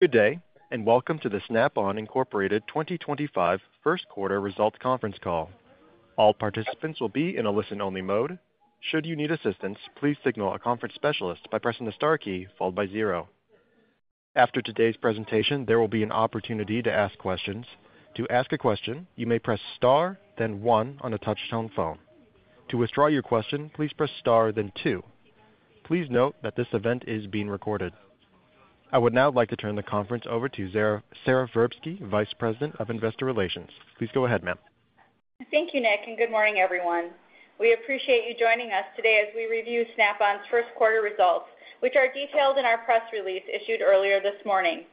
Good day, and welcome to the Snap-on Incorporated 2025 first quarter results conference call. All participants will be in a listen-only mode. Should you need assistance, please signal a conference specialist by pressing the star key followed by zero. After today's presentation, there will be an opportunity to ask questions. To ask a question, you may press star, then one on a touch-tone phone. To withdraw your question, please press star, then two. Please note that this event is being recorded. I would now like to turn the conference over to Sara Verbsky, Vice President of Investor Relations. Please go ahead, ma'am. Thank you, Nick, and good morning, everyone. We appreciate you joining us today as we review Snap-on's first quarter results, which are detailed in our press release issued earlier this morning.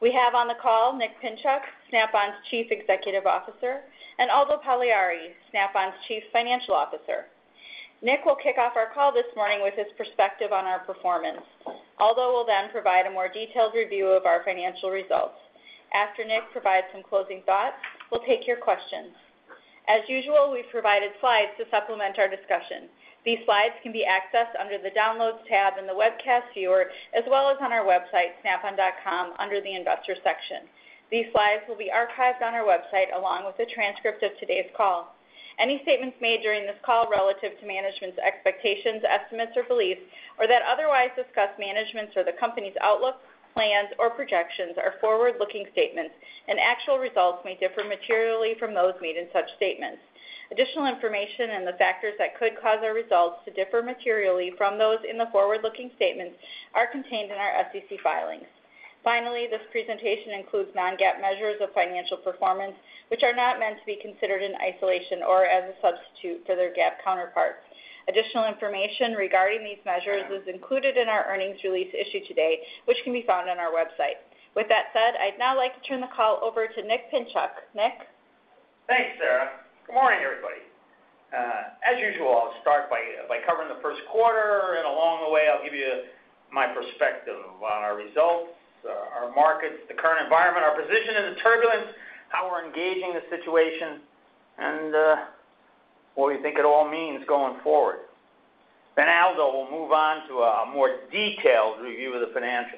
We have on the call Nick Pinchuk, Snap-on's Chief Executive Officer, and Aldo Pagliari, Snap-on's Chief Financial Officer. Nick will kick off our call this morning with his perspective on our performance. Aldo will then provide a more detailed review of our financial results. After Nick provides some closing thoughts, we'll take your questions. As usual, we've provided slides to supplement our discussion. These slides can be accessed under the Downloads tab in the webcast viewer, as well as on our website, snap-on.com, under the Investor section. These slides will be archived on our website along with the transcript of today's call. Any statements made during this call relative to management's expectations, estimates, or beliefs, or that otherwise discuss management's or the company's outlook, plans, or projections are forward-looking statements, and actual results may differ materially from those made in such statements. Additional information and the factors that could cause our results to differ materially from those in the forward-looking statements are contained in our SEC filings. Finally, this presentation includes non-GAAP measures of financial performance, which are not meant to be considered in isolation or as a substitute for their GAAP counterparts. Additional information regarding these measures is included in our earnings release issued today, which can be found on our website. With that said, I'd now like to turn the call over to Nick Pinchuk. Nick? Thanks, Sara. Good morning, everybody. As usual, I'll start by covering the first quarter, and along the way, I'll give you my perspective on our results, our markets, the current environment, our position in the turbulence, how we're engaging the situation, and what we think it all means going forward. Aldo will move on to a more detailed review of the financials.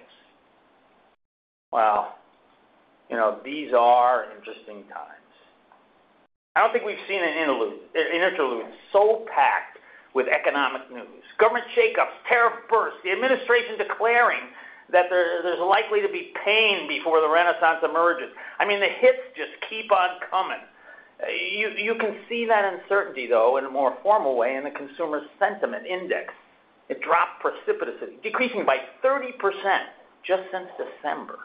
These are interesting times. I don't think we've seen an interlude so packed with economic news. Government shake-ups, tariff bursts, the administration declaring that there's likely to be pain before the renaissance emerges. I mean, the hits just keep on coming. You can see that uncertainty, though, in a more formal way in the consumer sentiment index. It dropped precipitously, decreasing by 30% just since December,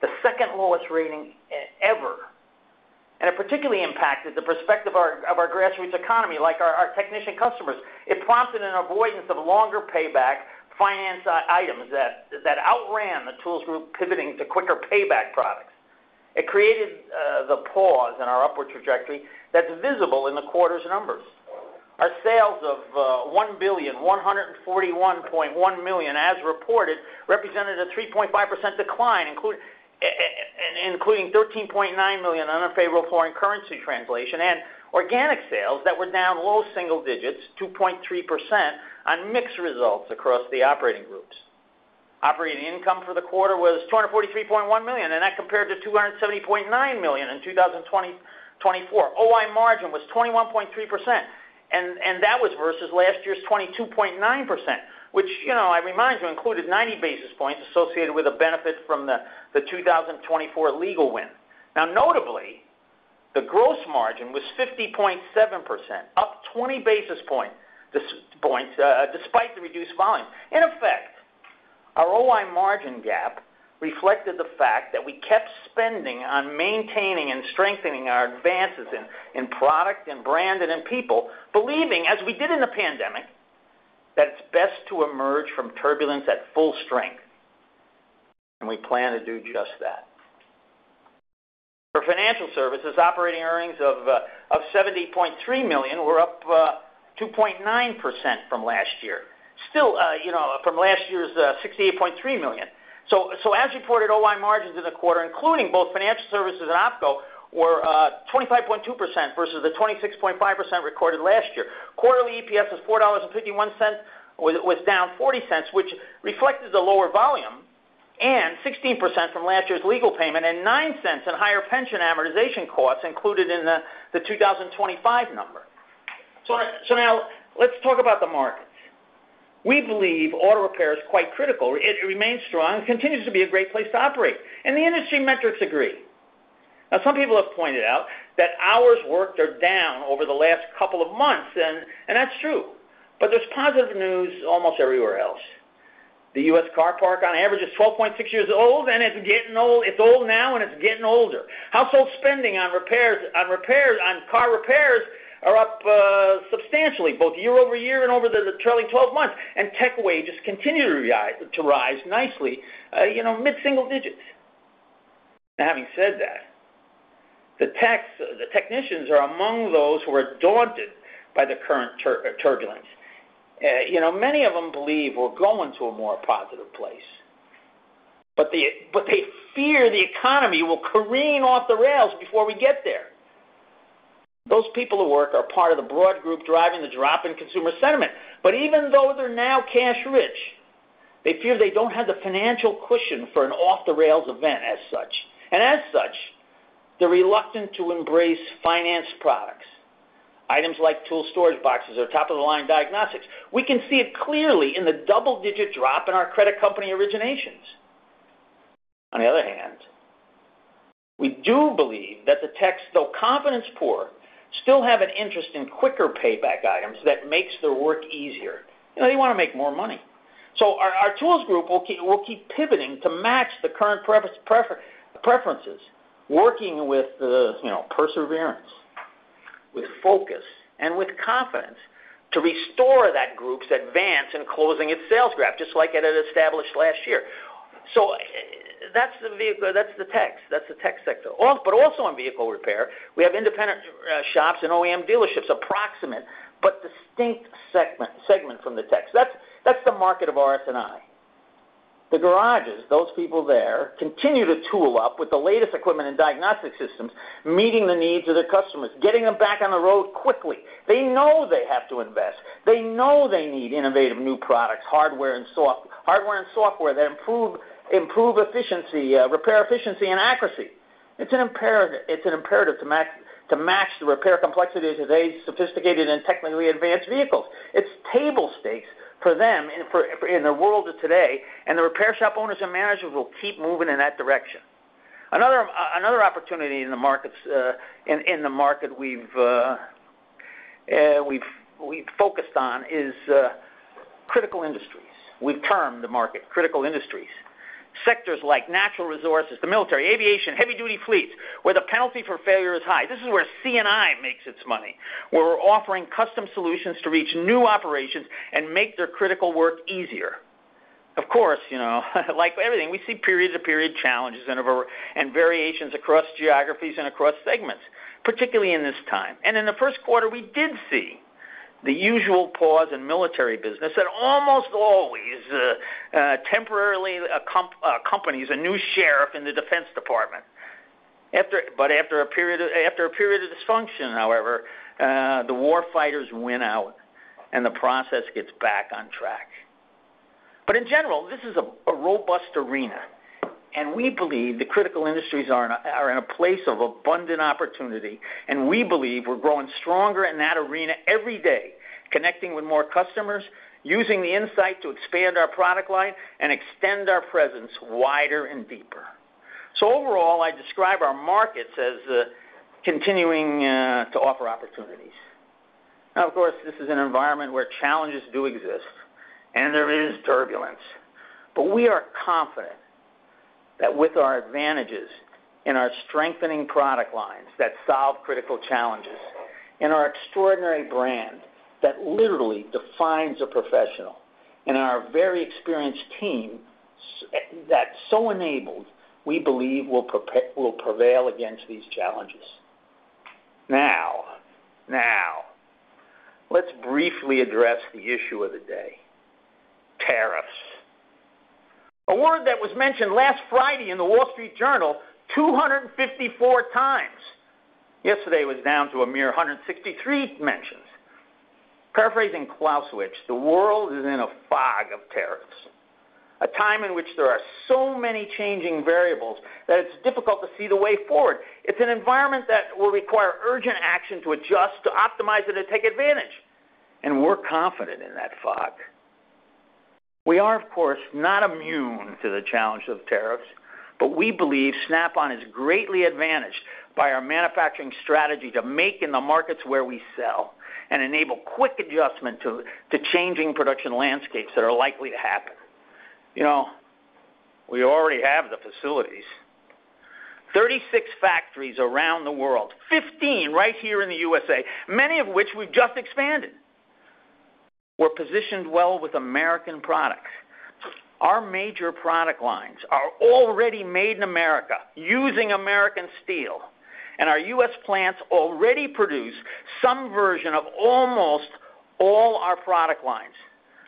the second lowest rating ever. It particularly impacted the perspective of our grassroots economy, like our technician customers. It prompted an avoidance of longer payback finance items that outran the Tools Group pivoting to quicker payback products. It created the pause in our upward trajectory that's visible in the quarter's numbers. Our sales of $1,141.1 million, as reported, represented a 3.5% decline, including $13.9 million on unfavorable foreign currency translation, and organic sales that were down low single digits, 2.3%, on mixed results across the operating groups. Operating income for the quarter was $243.1 million, and that compared to $270.9 million in 2024. OI margin was 21.3%, and that was versus last year's 22.9%, which, I remind you, included 90 basis points associated with a benefit from the 2024 legal win. Now, notably, the gross margin was 50.7%, up 20 basis points despite the reduced volume. In effect, our OI margin gap reflected the fact that we kept spending on maintaining and strengthening our advances in product, in brand, and in people, believing, as we did in the pandemic, that it's best to emerge from turbulence at full strength. We plan to do just that. For financial services, operating earnings of $70.3 million were up 2.9% from last year, from last year's $68.3 million. As reported, OI margins in the quarter, including both financial services and opco, were 25.2% versus the 26.5% recorded last year. Quarterly EPS was $4.51, down $0.40, which reflected the lower volume and 16% from last year's legal payment and $0.09 in higher pension amortization costs included in the 2025 number. Now, let's talk about the markets. We believe auto repair is quite critical. It remains strong and continues to be a great place to operate. The industry metrics agree. Some people have pointed out that hours worked are down over the last couple of months, and that's true. There is positive news almost everywhere else. The US car park, on average, is 12.6 years old, and it's getting old. It's old now, and it's getting older. Household spending on car repairs is up substantially, both year-over-year and over the trailing 12 months. Tech wages continue to rise nicely, mid-single digits. Having said that, the technicians are among those who are daunted by the current turbulence. Many of them believe we're going to a more positive place, but they fear the economy will careen off the rails before we get there. Those people who work are part of the broad group driving the drop in consumer sentiment. Even though they're now cash rich, they fear they don't have the financial cushion for an off-the-rails event as such. As such, they're reluctant to embrace finance products, items like tool storage boxes or top-of-the-line diagnostics. We can see it clearly in the double-digit drop in our credit company originations. On the other hand, we do believe that the tech, though confidence poor, still have an interest in quicker payback items that makes their work easier. They want to make more money. Our tools group will keep pivoting to match the current preferences, working with perseverance, with focus, and with confidence to restore that group's advance in closing its sales graph, just like it had established last year. That's the tech. That's the tech sector. Also in vehicle repair, we have independent shops and OEM dealerships, approximate but distinct segment from the tech. That's the market of RS&I. The garages, those people there, continue to tool up with the latest equipment and diagnostic systems, meeting the needs of their customers, getting them back on the road quickly. They know they have to invest. They know they need innovative new products, hardware and software that improve efficiency, repair efficiency, and accuracy. It's an imperative to match the repair complexity of today's sophisticated and technically advanced vehicles. It's table stakes for them in the world of today, and the repair shop owners and managers will keep moving in that direction. Another opportunity in the market we've focused on is critical industries. We've termed the market critical industries. Sectors like natural resources, the military, aviation, heavy-duty fleets, where the penalty for failure is high. This is where C&I makes its money, where we're offering custom solutions to reach new operations and make their critical work easier. Of course, like everything, we see period-to-period challenges and variations across geographies and across segments, particularly in this time. In the first quarter, we did see the usual pause in military business that almost always temporarily accompanies a new sheriff in the Defense Department. After a period of dysfunction, however, the war fighters win out, and the process gets back on track. In general, this is a robust arena, and we believe the critical industries are in a place of abundant opportunity. We believe we are growing stronger in that arena every day, connecting with more customers, using the insight to expand our product line and extend our presence wider and deeper. Overall, I describe our markets as continuing to offer opportunities. Of course, this is an environment where challenges do exist, and there is turbulence. We are confident that with our advantages in our strengthening product lines that solve critical challenges, in our extraordinary brand that literally defines a professional, in our very experienced team that's so enabled, we believe will prevail against these challenges. Now, let's briefly address the issue of the day: tariffs. A word that was mentioned last Friday in The Wall Street Journal 254 times. Yesterday, it was down to a mere 163 mentions. Paraphrasing Klausowitz, the world is in a fog of tariffs, a time in which there are so many changing variables that it's difficult to see the way forward. It's an environment that will require urgent action to adjust, to optimize, and to take advantage. We are confident in that fog. We are, of course, not immune to the challenge of tariffs, but we believe Snap-on is greatly advantaged by our manufacturing strategy to make in the markets where we sell and enable quick adjustment to changing production landscapes that are likely to happen. We already have the facilities: 36 factories around the world, 15 right here in the U.S.A., many of which we've just expanded. We're positioned well with American products. Our major product lines are already made in America using American steel, and our U.S. plants already produce some version of almost all our product lines.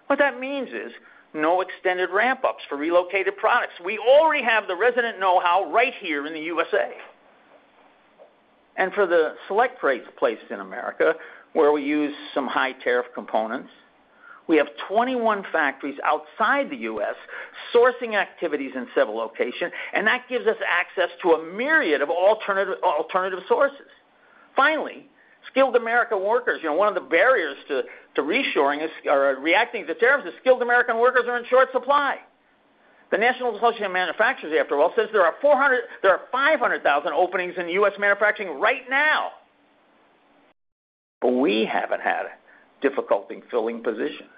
What that means is no extended ramp-ups for relocated products. We already have the resident know-how right here in the U.S.A. For the select rates placed in America, where we use some high tariff components, we have 21 factories outside the U.S. sourcing activities in several locations, and that gives us access to a myriad of alternative sources. Finally, skilled American workers. One of the barriers to reshoring or reacting to tariffs is skilled American workers are in short supply. The National Association of Manufacturers, after all, says there are 500,000 openings in U.S. manufacturing right now. We haven't had difficulty filling positions.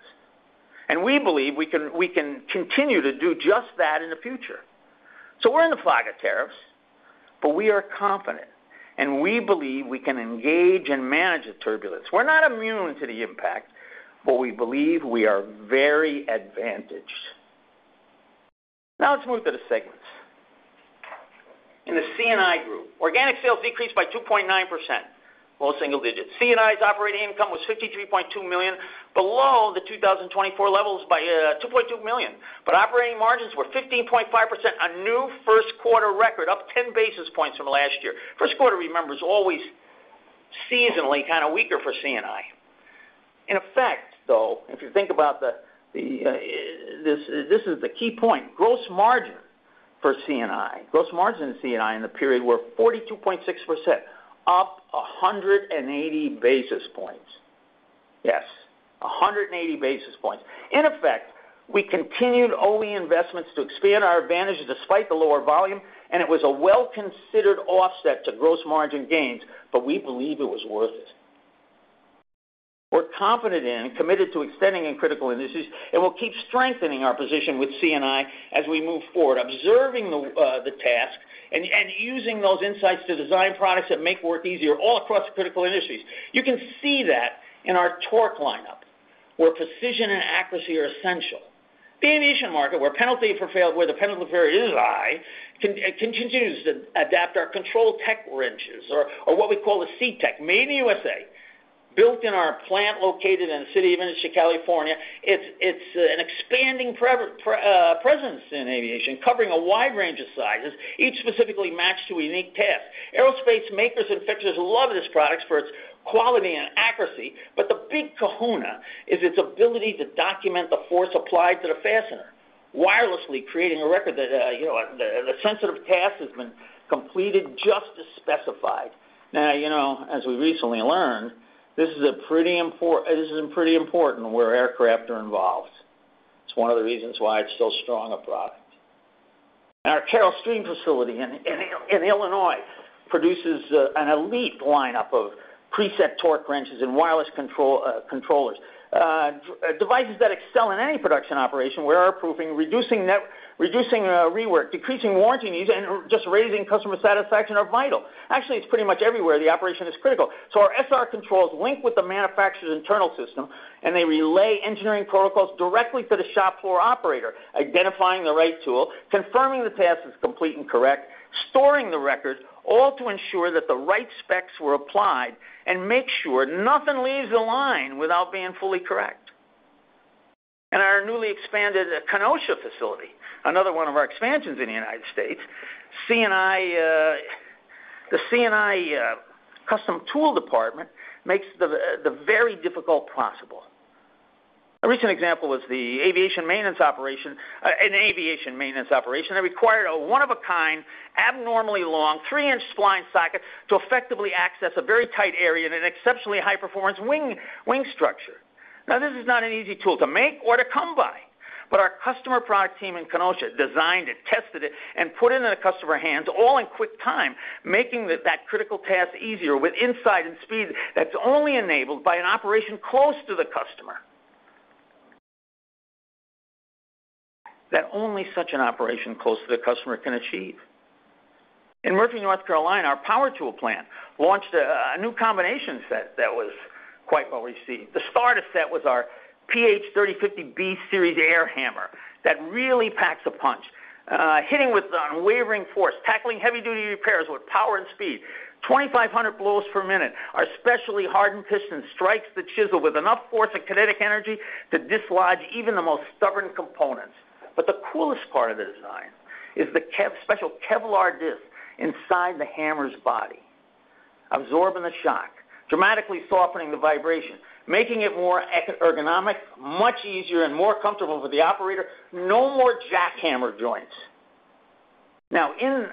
We believe we can continue to do just that in the future. We're in the fog of tariffs, but we are confident, and we believe we can engage and manage the turbulence. We're not immune to the impact, but we believe we are very advantaged. Now, let's move to the segments. In the C&I group, organic sales decreased by 2.9%, low single digits. C&I's operating income was $53.2 million, below the 2024 levels by $2.2 million. Operating margins were 15.5%, a new first-quarter record, up 10 basis points from last year. First quarter, remember, is always seasonally kind of weaker for C&I. In effect, though, if you think about it, this is the key point: gross margin for C&I. Gross margin in C&I in the period were 42.6%, up 180 basis points. Yes, 180 basis points. In effect, we continued OE investments to expand our advantage despite the lower volume, and it was a well-considered offset to gross margin gains, but we believe it was worth it. We're confident in and committed to extending in critical industries, and we'll keep strengthening our position with C&I as we move forward, observing the task and using those insights to design products that make work easier all across critical industries. You can see that in our torque lineup, where precision and accuracy are essential. The aviation market, where the penalty for failure is high, continues to adapt our control tech wrenches, or what we call the C-tech, made in the U.S., built in our plant located in the city of Elkmont, Alabama. It's an expanding presence in aviation, covering a wide range of sizes, each specifically matched to a unique task. Aerospace makers and fixers love this product for its quality and accuracy, but the big kahuna is its ability to document the force applied to the fastener, wirelessly creating a record that the sensitive task has been completed just as specified. Now, as we recently learned, this is pretty important where aircraft are involved. It's one of the reasons why it's still a strong product. Our Carroll Stream facility in Illinois produces an elite lineup of preset torque wrenches and wireless controllers, devices that excel in any production operation where our proofing, reducing rework, decreasing warranty needs, and just raising customer satisfaction are vital. Actually, it's pretty much everywhere the operation is critical. Our SR controls link with the manufacturer's internal system, and they relay engineering protocols directly to the shop floor operator, identifying the right tool, confirming the task is complete and correct, storing the record, all to ensure that the right specs were applied and make sure nothing leaves the line without being fully correct. Our newly expanded Kenosha facility, another one of our expansions in the United States, the C&I custom tool department makes the very difficult possible. A recent example was the aviation maintenance operation, an aviation maintenance operation that required a one-of-a-kind, abnormally long, 3-inch spline socket to effectively access a very tight area in an exceptionally high-performance wing structure. Now, this is not an easy tool to make or to come by, but our customer product team in Kenosha designed it, tested it, and put it in the customer hands, all in quick time, making that critical task easier with insight and speed that's only enabled by an operation close to the customer. That only such an operation close to the customer can achieve. In Murphy, North Carolina, our power tool plant launched a new combination set that was quite well received. The starter set was our PH3050B series air hammer that really packs a punch, hitting with unwavering force, tackling heavy-duty repairs with power and speed. 2,500 blows per minute, our specially hardened piston strikes the chisel with enough force and kinetic energy to dislodge even the most stubborn components. The coolest part of the design is the special Kevlar disc inside the hammer's body, absorbing the shock, dramatically softening the vibration, making it more ergonomic, much easier, and more comfortable for the operator. No more jackhammer joints. In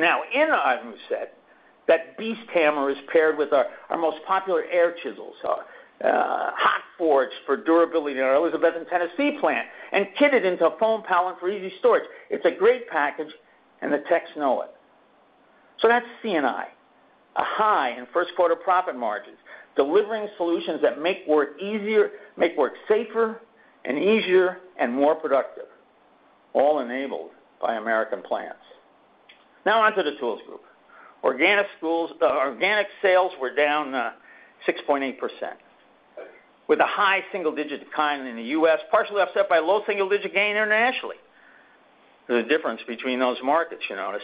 our new set, that beast hammer is paired with our most popular air chisels, hot forged for durability in our Elizabethton, Tennessee plant, and kitted into a foam pallet for easy storage. It's a great package, and the techs know it. That is C&I, a high and first-quarter profit margins, delivering solutions that make work easier, make work safer, and easier and more productive, all enabled by American plants. Now, on to the tools group. Organic sales were down 6.8%, with a high single-digit decline in the U.S., partially offset by a low single-digit gain internationally. There's a difference between those markets, you notice.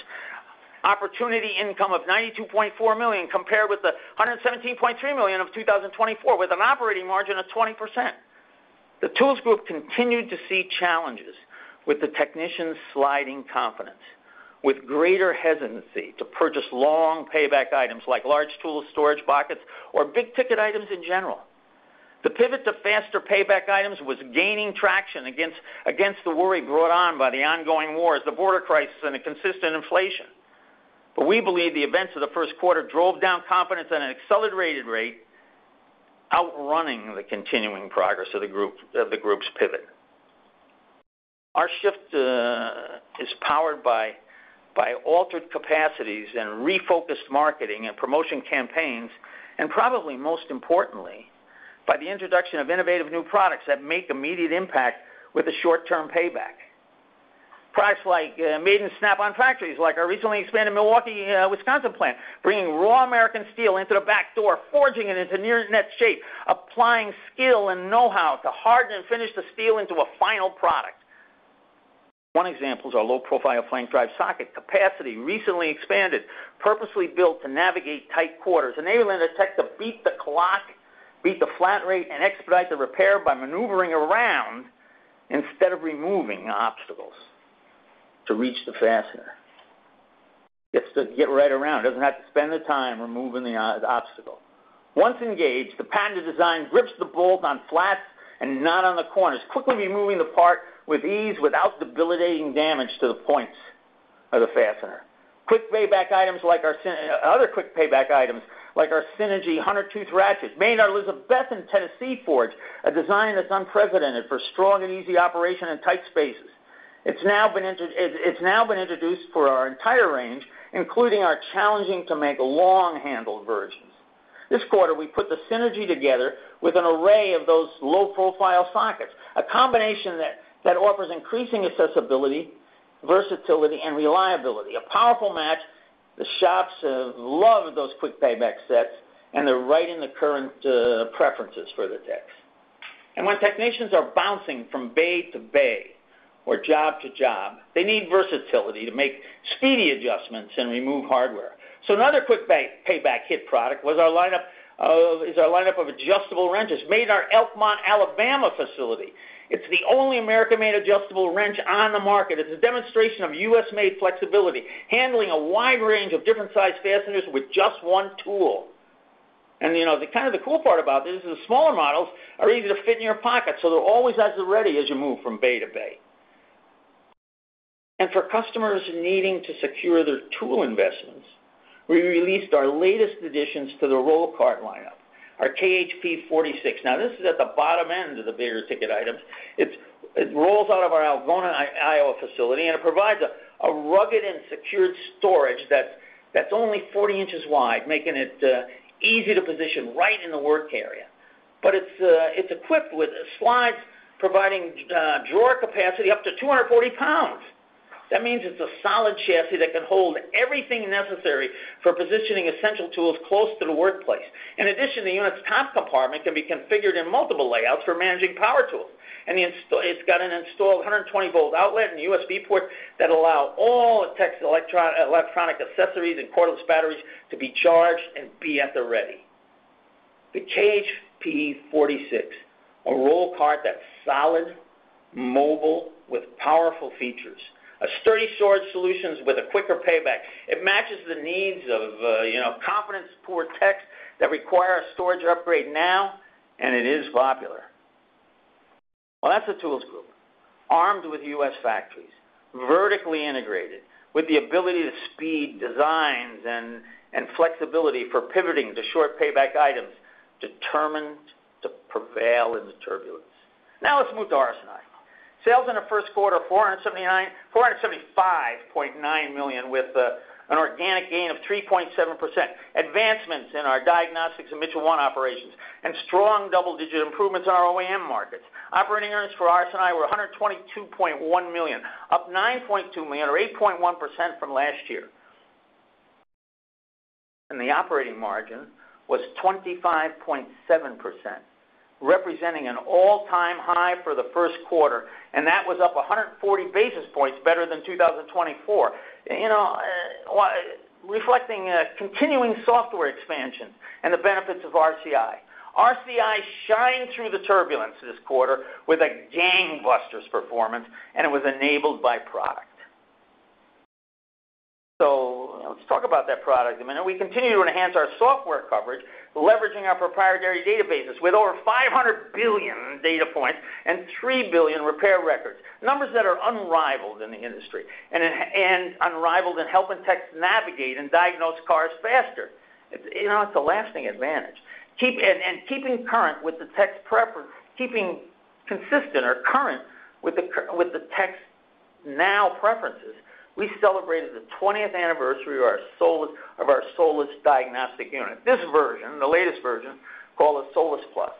Operating income of $92.4 million compared with the $117.3 million of 2024, with an operating margin of 20%. The Tools Group continued to see challenges with the technicians' sliding confidence, with greater hesitancy to purchase long payback items like large tool storage buckets or big ticket items in general. The pivot to faster payback items was gaining traction against the worry brought on by the ongoing wars, the border crisis, and the consistent inflation. We believe the events of the first quarter drove down confidence at an accelerated rate, outrunning the continuing progress of the group's pivot. Our shift is powered by altered capacities and refocused marketing and promotion campaigns, and probably most importantly, by the introduction of innovative new products that make immediate impact with a short-term payback. Products like made in Snap-on factories, like our recently expanded Milwaukee, Wisconsin plant, bringing raw American steel into the back door, forging it into near-net shape, applying skill and know-how to harden and finish the steel into a final product. One example is our low-profile flange drive socket capacity, recently expanded, purposely built to navigate tight quarters, enabling the tech to beat the clock, beat the flat rate, and expedite the repair by maneuvering around instead of removing obstacles to reach the fastener. It's to get right around. It doesn't have to spend the time removing the obstacle. Once engaged, the patented design grips the bolt on flats and not on the corners, quickly removing the part with ease without debilitating damage to the points of the fastener. Quick payback items like our other quick payback items, like our Synergy Hunter Tooth Ratchet, made in our Elizabethton, Tennessee forge, a design that's unprecedented for strong and easy operation in tight spaces. It's now been introduced for our entire range, including our challenging-to-make long-handle versions. This quarter, we put the Synergy together with an array of those low-profile sockets, a combination that offers increasing accessibility, versatility, and reliability. A powerful match. The shops love those quick payback sets, and they're right in the current preferences for the techs. When technicians are bouncing from bay to bay or job to job, they need versatility to make speedy adjustments and remove hardware. Another quick payback hit product is our lineup of adjustable wrenches made in our Elkmont, Alabama facility. It's the only American-made adjustable wrench on the market. It's a demonstration of US-made flexibility, handling a wide range of different-sized fasteners with just one tool. Kind of the cool part about this is the smaller models are easy to fit in your pocket, so they're always as ready as you move from bay to bay. For customers needing to secure their tool investments, we released our latest additions to the roll cart lineup, our KHP 46. This is at the bottom end of the bigger ticket items. It rolls out of our Algona, Iowa facility, and it provides a rugged and secured storage that's only 40 inches wide, making it easy to position right in the work area. It is equipped with slides providing drawer capacity up to 240 lbs. That means it is a solid chassis that can hold everything necessary for positioning essential tools close to the workplace. In addition, the unit's top compartment can be configured in multiple layouts for managing power tools. It has an installed 120-volt outlet and USB port that allow all tech's electronic accessories and cordless batteries to be charged and be at the ready. The KHP 46, a roll cart that is solid, mobile, with powerful features, a sturdy storage solution with a quicker payback. It matches the needs of confidence-poor techs that require a storage upgrade now, and it is popular. That is the tools group, armed with U.S. factories, vertically integrated, with the ability to speed designs and flexibility for pivoting to short payback items determined to prevail in the turbulence. Now, let's move to RS&I. Sales in the first quarter of $475.9 million with an organic gain of 3.7%, advancements in our diagnostics and Mitchell One operations, and strong double-digit improvements in our OEM markets. Operating earnings for RS&I were $122.1 million, up $9.2 million or 8.1% from last year. The operating margin was 25.7%, representing an all-time high for the first quarter, and that was up 140 basis points better than 2024, reflecting continuing software expansion and the benefits of RCI. RCI shined through the turbulence this quarter with a gangbusters performance, and it was enabled by product. Let's talk about that product a minute. We continue to enhance our software coverage, leveraging our proprietary databases with over 500 billion data points and 3 billion repair records, numbers that are unrivaled in the industry and unrivaled in helping techs navigate and diagnose cars faster. It's a lasting advantage. Keeping current with the tech's preference, keeping consistent or current with the tech's now preferences, we celebrated the 20th anniversary of our Solus diagnostic unit. This version, the latest version, called a Solus Plus,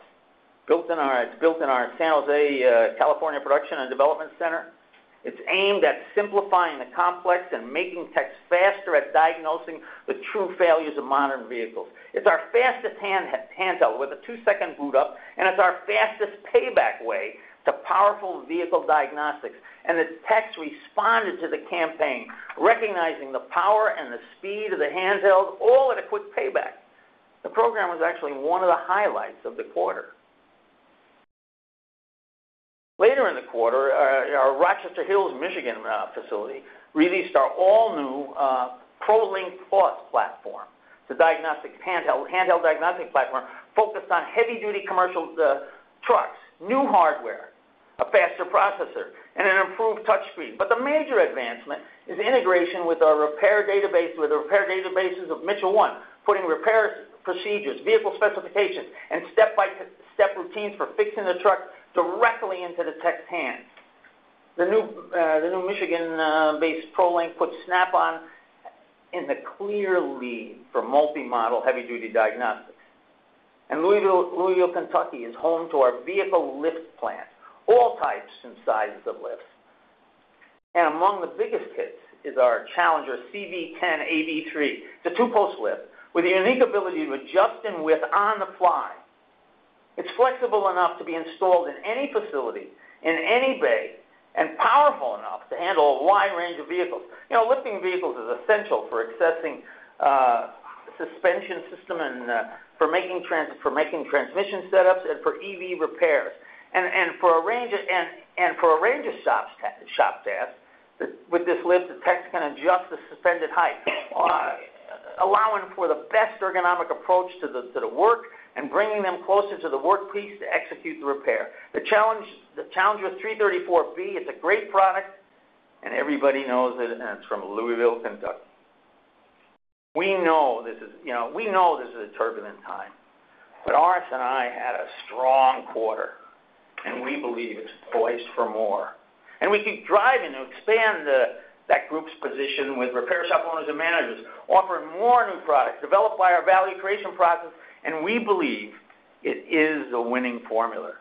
built in our San Jose, California production and development center. It's aimed at simplifying the complex and making techs faster at diagnosing the true failures of modern vehicles. It's our fastest handheld with a two-second boot-up, and it's our fastest payback way to powerful vehicle diagnostics. The techs responded to the campaign, recognizing the power and the speed of the handheld, all at a quick payback. The program was actually one of the highlights of the quarter. Later in the quarter, our Rochester Hills, Michigan facility released our all-new ProLink Plus platform, the handheld diagnostic platform focused on heavy-duty commercial trucks, new hardware, a faster processor, and an improved touchscreen. The major advancement is integration with our repair database with the repair databases of Mitchell One, putting repair procedures, vehicle specifications, and step-by-step routines for fixing the truck directly into the tech's hands. The new Michigan-based ProLink puts Snap-on in the clear lead for multi-model heavy-duty diagnostics. Louisville, Kentucky is home to our vehicle lift plants, all types and sizes of lifts. Among the biggest hits is our Challenger CB10 AB3, the two-post lift with a unique ability to adjust in width on the fly. It's flexible enough to be installed in any facility, in any bay, and powerful enough to handle a wide range of vehicles. Lifting vehicles is essential for accessing suspension system and for making transmission setups and for EV repairs. For a range of shop tasks, with this lift, the techs can adjust the suspended height, allowing for the best ergonomic approach to the work and bringing them closer to the workpiece to execute the repair. The Challenger 334B, it's a great product, and everybody knows it, and it's from Louisville, Kentucky. We know this is a turbulent time, but RS&I had a strong quarter, and we believe it's poised for more. We keep driving to expand that group's position with repair shop owners and managers, offering more new products developed by our value creation process, and we believe it is a winning formula.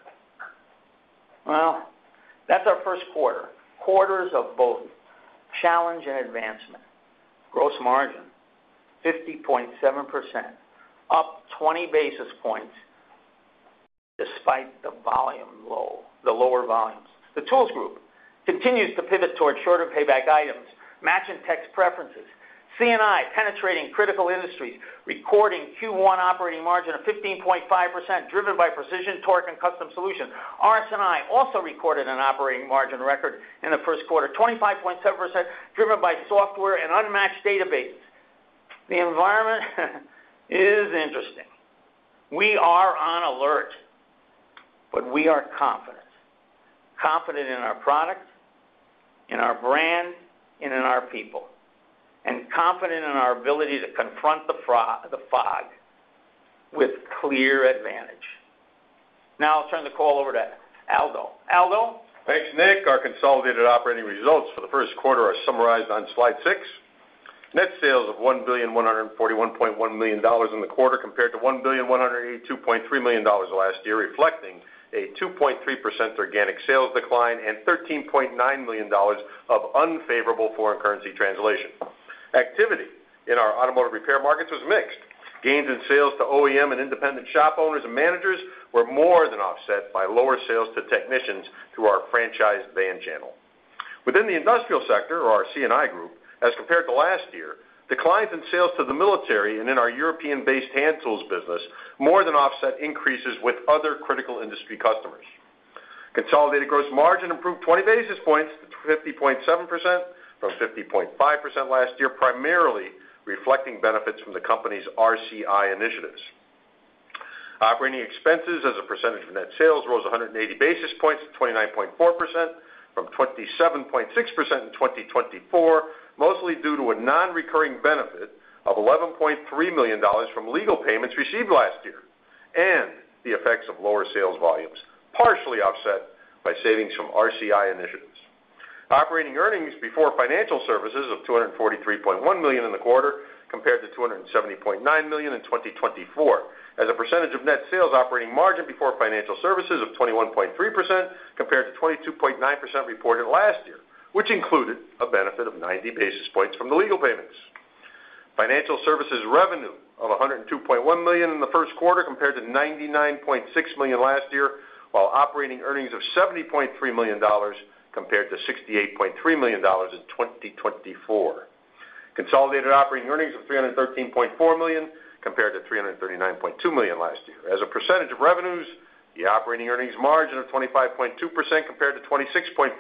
That is our first quarter, quarters of both challenge and advancement. Gross margin, 50.7%, up 20 basis points despite the lower volumes. The tools group continues to pivot toward shorter payback items, matching tech's preferences. C&I penetrating critical industries, recording Q1 operating margin of 15.5%, driven by precision, torque, and custom solutions. RS&I also recorded an operating margin record in the first quarter, 25.7%, driven by software and unmatched databases. The environment is interesting. We are on alert, but we are confident, confident in our product, in our brand, and in our people, and confident in our ability to confront the fog with clear advantage. Now I'll turn the call over to Aldo. Aldo? Thanks, Nick. Our consolidated operating results for the first quarter are summarized on slide six. Net sales of $1,141.1 million in the quarter compared to $1,182.3 million last year, reflecting a 2.3% organic sales decline and $13.9 million of unfavorable foreign currency translation. Activity in our automotive repair markets was mixed. Gains in sales to OEM and independent shop owners and managers were more than offset by lower sales to technicians through our franchise van channel. Within the industrial sector, or our C&I group, as compared to last year, declines in sales to the military and in our European-based hand tools business more than offset increases with other critical industry customers. Consolidated gross margin improved 20 basis points to 50.7% from 50.5% last year, primarily reflecting benefits from the company's RCI initiatives. Operating expenses as a percentage of net sales rose 180 basis points to 29.4% from 27.6% in 2024, mostly due to a non-recurring benefit of $11.3 million from legal payments received last year and the effects of lower sales volumes, partially offset by savings from RCI initiatives. Operating earnings before financial services of $243.1 million in the quarter compared to $270.9 million in 2024, as a percentage of net sales operating margin before financial services of 21.3% compared to 22.9% reported last year, which included a benefit of 90 basis points from the legal payments. Financial services revenue of $102.1 million in the first quarter compared to $99.6 million last year, while operating earnings of $70.3 million compared to $68.3 million in 2024. Consolidated operating earnings of $313.4 million compared to $339.2 million last year. As a percentage of revenues, the operating earnings margin of 25.2% compared to 26.5%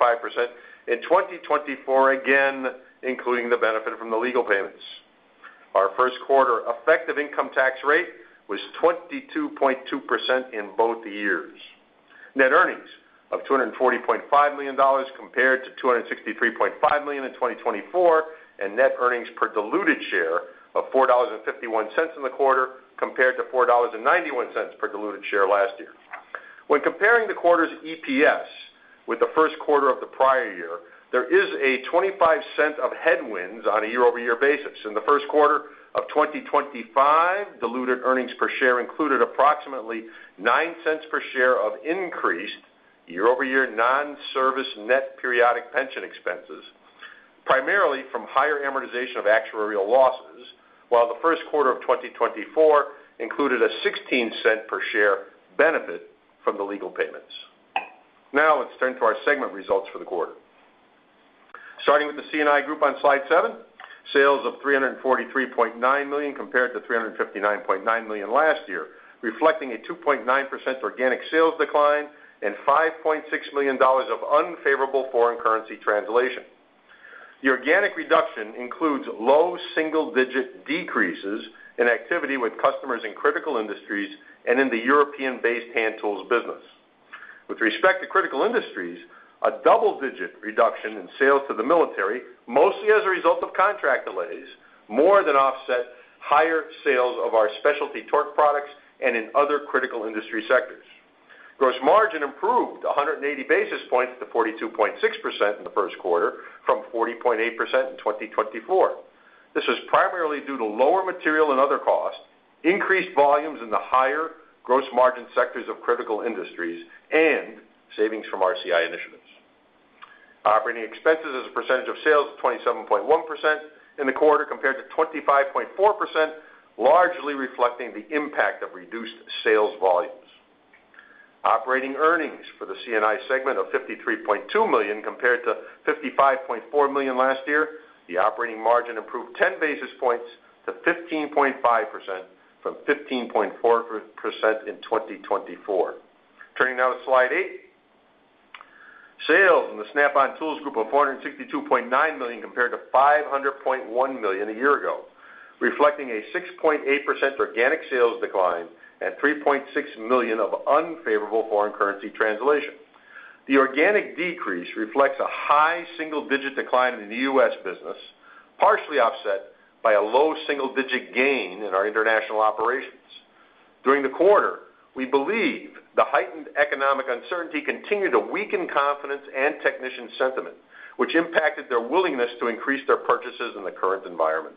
in 2024, again, including the benefit from the legal payments. Our first quarter effective income tax rate was 22.2% in both years. Net earnings of $240.5 million compared to $263.5 million in 2024, and net earnings per diluted share of $4.51 in the quarter compared to $4.91 per diluted share last year. When comparing the quarter's EPS with the first quarter of the prior year, there is a $0.25 of headwinds on a year-over-year basis. In the first quarter of 2025, diluted earnings per share included approximately $0.09 per share of increased year-over-year non-service net periodic pension expenses, primarily from higher amortization of actuarial losses, while the first quarter of 2024 included a $0.16 per share benefit from the legal payments. Now let's turn to our segment results for the quarter. Starting with the C&I group on slide seven, sales of $343.9 million compared to $359.9 million last year, reflecting a 2.9% organic sales decline and $5.6 million of unfavorable foreign currency translation. The organic reduction includes low single-digit decreases in activity with customers in critical industries and in the European-based hand tools business. With respect to critical industries, a double-digit reduction in sales to the military, mostly as a result of contract delays, more than offset higher sales of our specialty torque products and in other critical industry sectors. Gross margin improved 180 basis points to 42.6% in the first quarter from 40.8% in 2024. This was primarily due to lower material and other costs, increased volumes in the higher gross margin sectors of critical industries, and savings from RCI initiatives. Operating expenses as a percentage of sales of 27.1% in the quarter compared to 25.4%, largely reflecting the impact of reduced sales volumes. Operating earnings for the C&I segment of $53.2 million compared to $55.4 million last year, the operating margin improved 10 basis points to 15.5% from 15.4% in 2024. Turning now to slide eight, sales in the Snap-on Tools group of $462.9 million compared to $500.1 million a year ago, reflecting a 6.8% organic sales decline and $3.6 million of unfavorable foreign currency translation. The organic decrease reflects a high single-digit decline in the U.S. business, partially offset by a low single-digit gain in our international operations. During the quarter, we believe the heightened economic uncertainty continued to weaken confidence and technician sentiment, which impacted their willingness to increase their purchases in the current environment.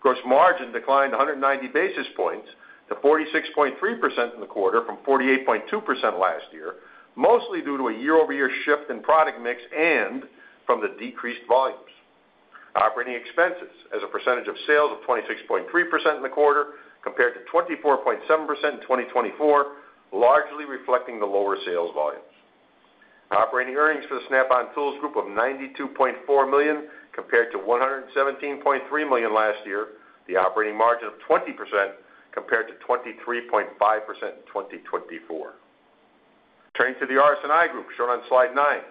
Gross margin declined 190 basis points to 46.3% in the quarter from 48.2% last year, mostly due to a year-over-year shift in product mix and from the decreased volumes. Operating expenses as a percentage of sales of 26.3% in the quarter compared to 24.7% in 2024, largely reflecting the lower sales volumes. Operating earnings for the Snap-on Tools group of $92.4 million compared to $117.3 million last year, the operating margin of 20% compared to 23.5% in 2024. Turning to the RS&I group shown on slide nine,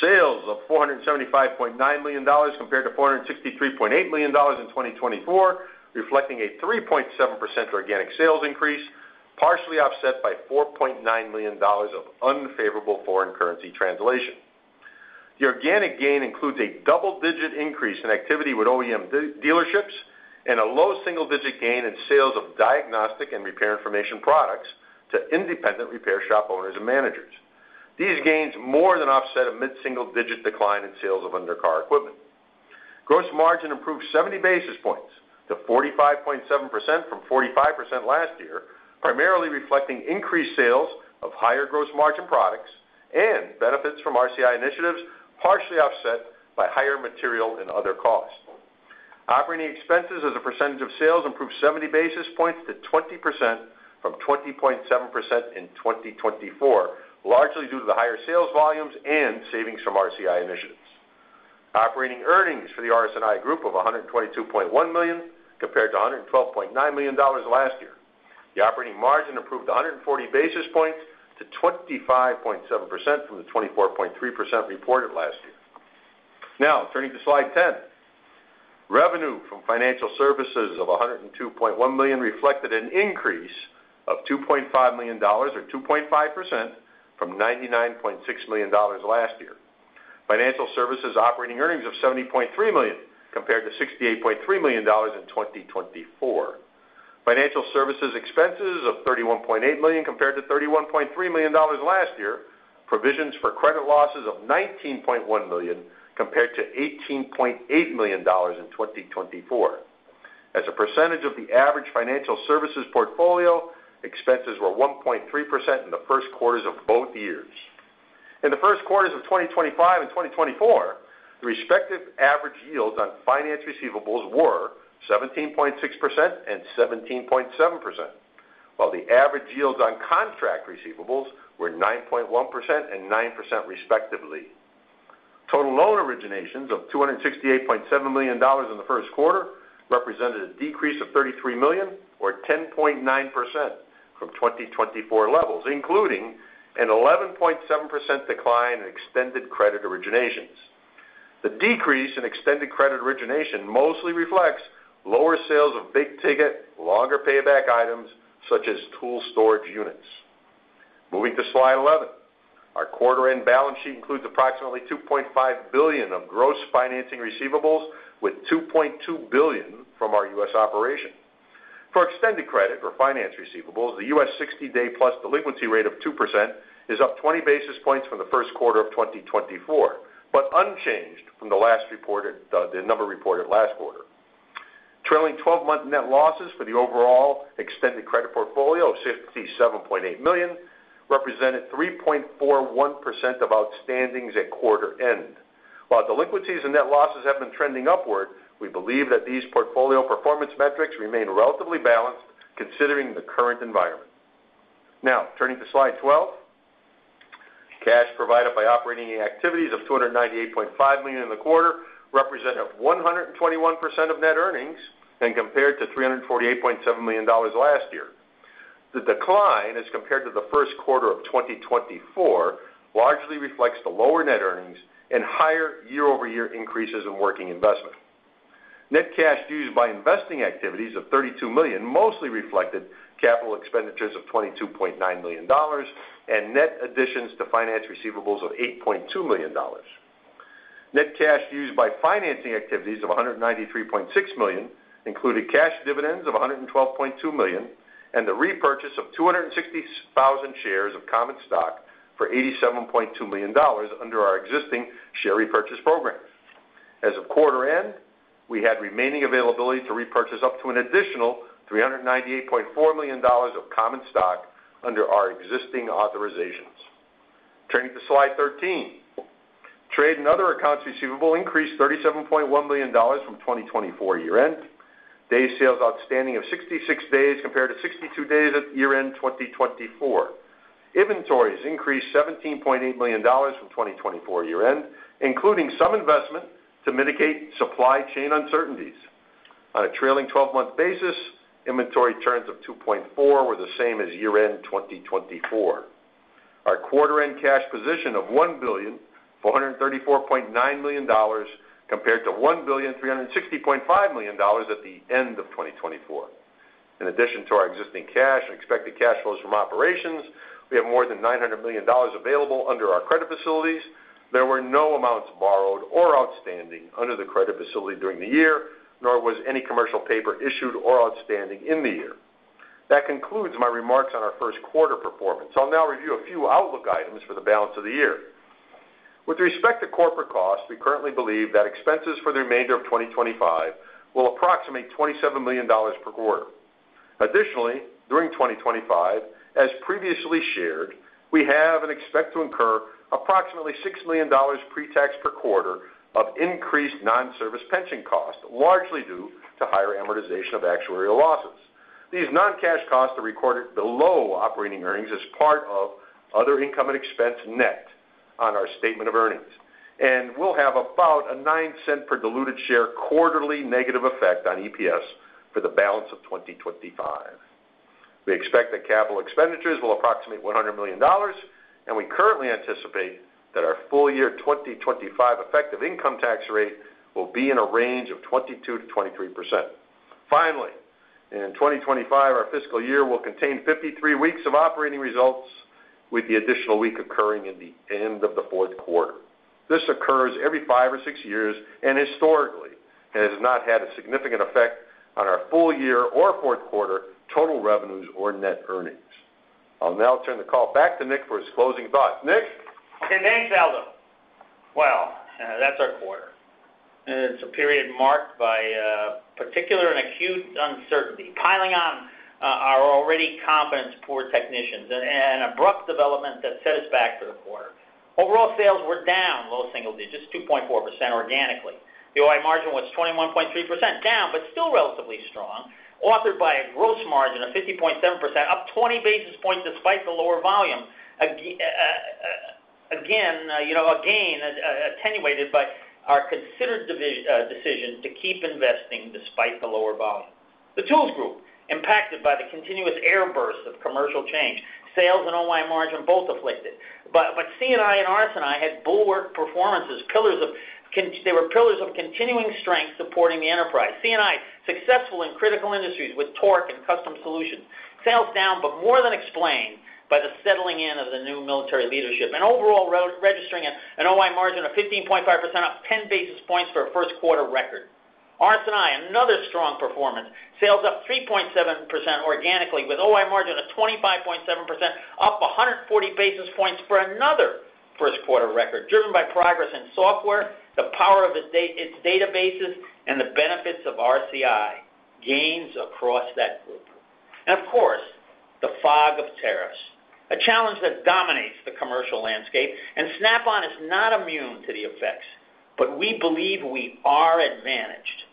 sales of $475.9 million compared to $463.8 million in 2024, reflecting a 3.7% organic sales increase, partially offset by $4.9 million of unfavorable foreign currency translation. The organic gain includes a double-digit increase in activity with OEM dealerships and a low single-digit gain in sales of diagnostic and repair information products to independent repair shop owners and managers. These gains more than offset a mid-single-digit decline in sales of undercar equipment. Gross margin improved 70 basis points to 45.7% from 45% last year, primarily reflecting increased sales of higher gross margin products and benefits from RCI initiatives, partially offset by higher material and other costs. Operating expenses as a percentage of sales improved 70 basis points to 20% from 20.7% in 2024, largely due to the higher sales volumes and savings from RCI initiatives. Operating earnings for the RS&I group of $122.1 million compared to $112.9 million last year. The operating margin improved 140 basis points to 25.7% from the 24.3% reported last year. Now turning to slide 10, revenue from financial services of $102.1 million reflected an increase of $2.5 million or 2.5% from $99.6 million last year. Financial services operating earnings of $70.3 million compared to $68.3 million in 2024. Financial services expenses of $31.8 million compared to $31.3 million last year, provisions for credit losses of $19.1 million compared to $18.8 million in 2024. As a percentage of the average financial services portfolio, expenses were 1.3% in the first quarters of both years. In the first quarters of 2025 and 2024, the respective average yields on finance receivables were 17.6% and 17.7%, while the average yields on contract receivables were 9.1% and 9% respectively. Total loan originations of $268.7 million in the first quarter represented a decrease of $33 million, or 10.9% from 2024 levels, including an 11.7% decline in extended credit originations. The decrease in extended credit origination mostly reflects lower sales of big ticket, longer payback items such as tool storage units. Moving to slide 11, our quarter-end balance sheet includes approximately $2.5 billion of gross financing receivables with $2.2 billion from our U.S. operation. For extended credit or finance receivables, the U.S. 60-day plus delinquency rate of 2% is up 20 basis points from the first quarter of 2024, but unchanged from the last reported, the number reported last quarter. Trailing 12-month net losses for the overall extended credit portfolio of $67.8 million represented 3.41% of outstandings at quarter-end. While delinquencies and net losses have been trending upward, we believe that these portfolio performance metrics remain relatively balanced considering the current environment. Now turning to slide 12, cash provided by operating activities of $298.5 million in the quarter represented 121% of net earnings and compared to $348.7 million last year. The decline as compared to the first quarter of 2024 largely reflects the lower net earnings and higher year-over-year increases in working investment. Net cash used by investing activities of $32 million mostly reflected capital expenditures of $22.9 million and net additions to finance receivables of $8.2 million. Net cash used by financing activities of $193.6 million included cash dividends of $112.2 million and the repurchase of 260,000 shares of common stock for $87.2 million under our existing share repurchase program. As of quarter-end, we had remaining availability to repurchase up to an additional $398.4 million of common stock under our existing authorizations. Turning to slide 13, trade and other accounts receivable increased $37.1 million from 2024 year-end. Day sales outstanding of 66 days compared to 62 days at year-end 2024. Inventories increased $17.8 million from 2024 year-end, including some investment to mitigate supply chain uncertainties. On a trailing 12-month basis, inventory turns of 2.4 were the same as year-end 2024. Our quarter-end cash position of $1,434.9 million compared to $1,360.5 million at the end of 2024. In addition to our existing cash and expected cash flows from operations, we have more than $900 million available under our credit facilities. There were no amounts borrowed or outstanding under the credit facility during the year, nor was any commercial paper issued or outstanding in the year. That concludes my remarks on our first quarter performance. I'll now review a few outlook items for the balance of the year. With respect to corporate costs, we currently believe that expenses for the remainder of 2025 will approximate $27 million per quarter. Additionally, during 2025, as previously shared, we have and expect to incur approximately $6 million pre-tax per quarter of increased non-service pension costs, largely due to higher amortization of actuarial losses. These non-cash costs are recorded below operating earnings as part of other income and expense net on our statement of earnings, and we'll have about a $0.09 per diluted share quarterly negative effect on EPS for the balance of 2025. We expect that capital expenditures will approximate $100 million, and we currently anticipate that our full year 2025 effective income tax rate will be in a range of 22-23%. Finally, in 2025, our fiscal year will contain 53 weeks of operating results, with the additional week occurring in the end of the fourth quarter. This occurs every five or six years and historically has not had a significant effect on our full year or fourth quarter total revenues or net earnings. I'll now turn the call back to Nick for his closing thoughts. Nick. Good day, Aldo. That's our quarter. It's a period marked by particular and acute uncertainty piling on our already confident support technicians and an abrupt development that set us back for the quarter. Overall sales were down low single digits, 2.4% organically. The OI margin was 21.3%, down but still relatively strong, authored by a gross margin of 50.7%, up 20 basis points despite the lower volume. Again, a gain attenuated by our considered decision to keep investing despite the lower volume. The Tools Group impacted by the continuous airburst of commercial change. Sales and OI margin both afflicted, but C&I and RS&I had bulwark performances. They were pillars of continuing strength supporting the enterprise. C&I successful in critical industries with torque and custom solutions. Sales down but more than explained by the settling in of the new military leadership and overall registering an OI margin of 15.5%, up 10 basis points for a first quarter record. RS&I, another strong performance. Sales up 3.7% organically with OI margin of 25.7%, up 140 basis points for another first quarter record, driven by progress in software, the power of its databases, and the benefits of RCI gains across that group. Of course, the fog of tariffs, a challenge that dominates the commercial landscape, and Snap-on is not immune to the effects, but we believe we are advantaged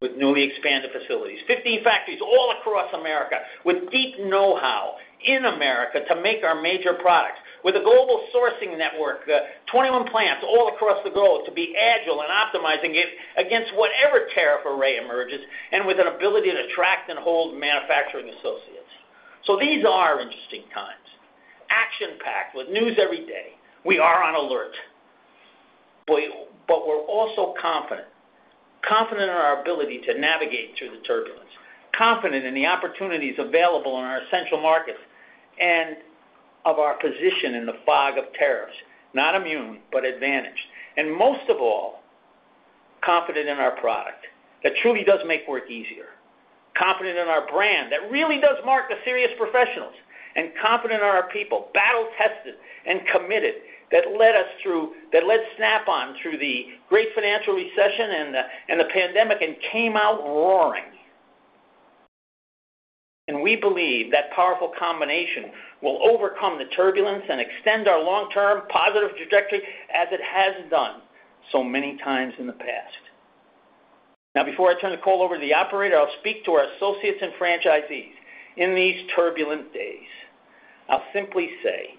with newly expanded facilities, 15 factories all across America with deep know-how in America to make our major products, with a global sourcing network, 21 plants all across the globe to be agile and optimizing it against whatever tariff array emerges, and with an ability to attract and hold manufacturing associates. These are interesting times. Action-packed with news every day. We are on alert, but we're also confident. Confident in our ability to navigate through the turbulence, confident in the opportunities available in our essential markets and of our position in the fog of tariffs, not immune but advantaged. Most of all, confident in our product that truly does make work easier, confident in our brand that really does mark the serious professionals, and confident in our people, battle-tested and committed that led us through, that led Snap-on through the great financial recession and the pandemic and came out roaring. We believe that powerful combination will overcome the turbulence and extend our long-term positive trajectory as it has done so many times in the past. Now, before I turn the call over to the operator, I'll speak to our associates and franchisees in these turbulent days. I'll simply say,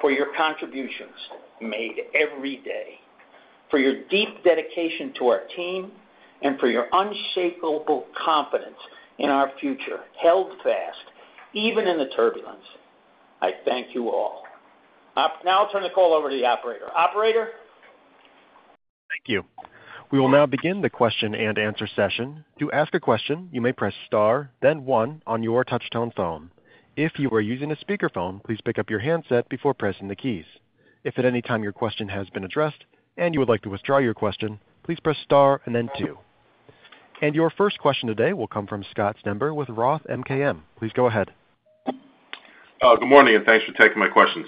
for your contributions made every day, for your deep dedication to our team, and for your unshakable confidence in our future held fast even in the turbulence, I thank you all. Now I'll turn the call over to the operator. Operator. Thank you. We will now begin the question and answer session. To ask a question, you may press star, then one on your touch-tone phone. If you are using a speakerphone, please pick up your handset before pressing the keys. If at any time your question has been addressed and you would like to withdraw your question, please press star and then two. Your first question today will come from Scott Stember with Roth MKM. Please go ahead. Good morning and thanks for taking my questions.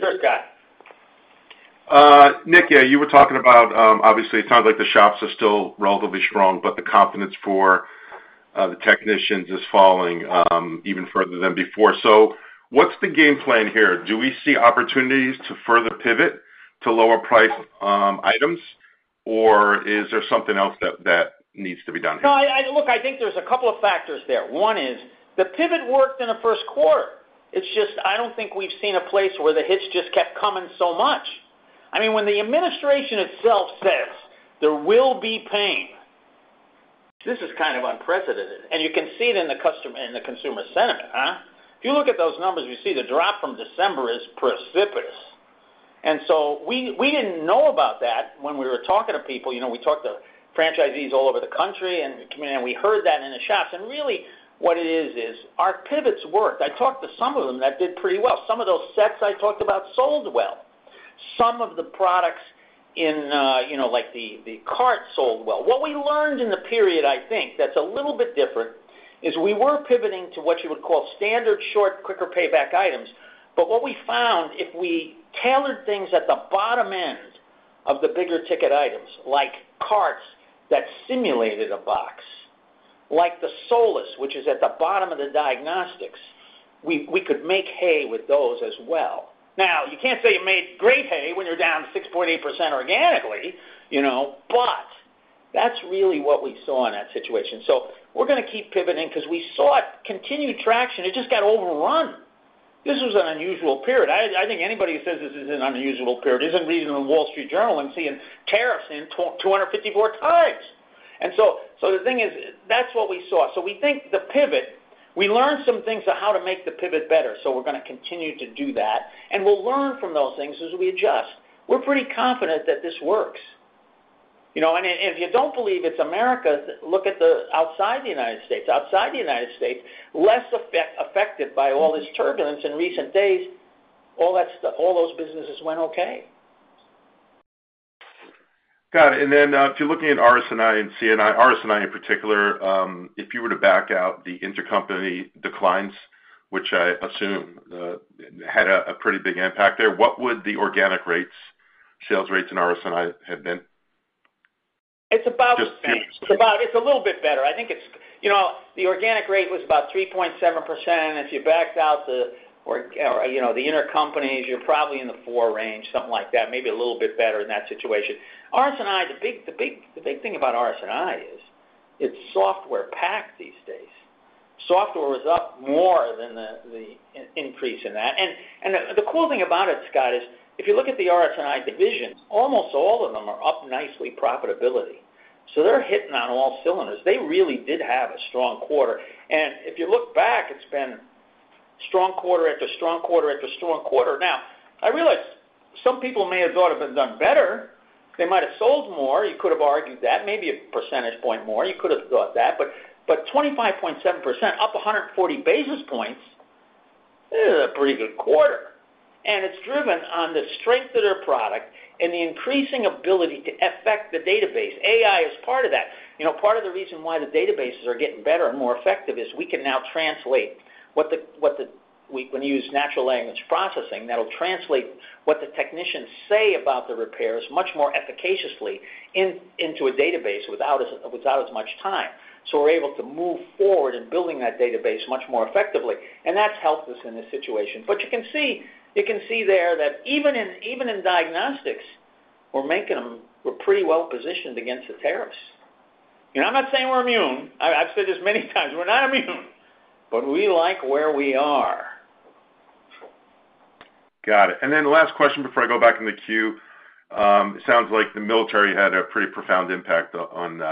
Sure, Scott. Nick, yeah, you were talking about, obviously, it sounds like the shops are still relatively strong, but the confidence for the technicians is falling even further than before. What is the game plan here? Do we see opportunities to further pivot to lower-priced items, or is there something else that needs to be done here? No, look, I think there's a couple of factors there. One is the pivot worked in the first quarter. It's just I don't think we've seen a place where the hits just kept coming so much. I mean, when the administration itself says there will be pain, this is kind of unprecedented, and you can see it in the consumer sentiment, huh? If you look at those numbers, you see the drop from December is precipitous. We didn't know about that when we were talking to people. We talked to franchisees all over the country, and we heard that in the shops. Really, what it is, is our pivots worked. I talked to some of them that did pretty well. Some of those sets I talked about sold well. Some of the products in like the cart sold well. What we learned in the period, I think, that's a little bit different, is we were pivoting to what you would call standard short, quicker payback items. What we found, if we tailored things at the bottom end of the bigger ticket items, like carts that simulated a box, like the Solus, which is at the bottom of the diagnostics, we could make hay with those as well. Now, you can't say you made great hay when you're down 6.8% organically, but that's really what we saw in that situation. We are going to keep pivoting because we saw continued traction. It just got overrun. This was an unusual period. I think anybody who says this is an unusual period isn't reading The Wall Street Journal and seeing tariffs in 254 times. That is what we saw. We think the pivot, we learned some things on how to make the pivot better. We're going to continue to do that, and we'll learn from those things as we adjust. We're pretty confident that this works. If you do not believe it's America, look at outside the United States. Outside the United States, less affected by all this turbulence in recent days, all those businesses went okay. Got it. If you're looking at RS&I and C&I, RS&I in particular, if you were to back out the intercompany declines, which I assume had a pretty big impact there, what would the organic sales rates in RS&I have been? It's about. It's a little bit better. I think the organic rate was about 3.7%. If you backed out the intercompany, you're probably in the four range, something like that, maybe a little bit better in that situation. The big thing about RS&I is it's software-packed these days. Software is up more than the increase in that. The cool thing about it, Scott, is if you look at the RS&I division, almost all of them are up nicely profitability. They are hitting on all cylinders. They really did have a strong quarter. If you look back, it's been strong quarter after strong quarter after strong quarter. I realize some people may have thought it had been done better. They might have sold more. You could have argued that, maybe a percentage point more. You could have thought that. But 25.7%, up 140 basis points, it is a pretty good quarter. It is driven on the strength of their product and the increasing ability to affect the database. AI is part of that. Part of the reason why the databases are getting better and more effective is we can now translate what the, when you use natural language processing, that will translate what the technicians say about the repairs much more efficaciously into a database without as much time. We are able to move forward in building that database much more effectively. That has helped us in this situation. You can see there that even in diagnostics, we are pretty well positioned against the tariffs. I am not saying we are immune. I have said this many times. We are not immune, but we like where we are. Got it. Last question before I go back in the queue. It sounds like the military had a pretty profound impact on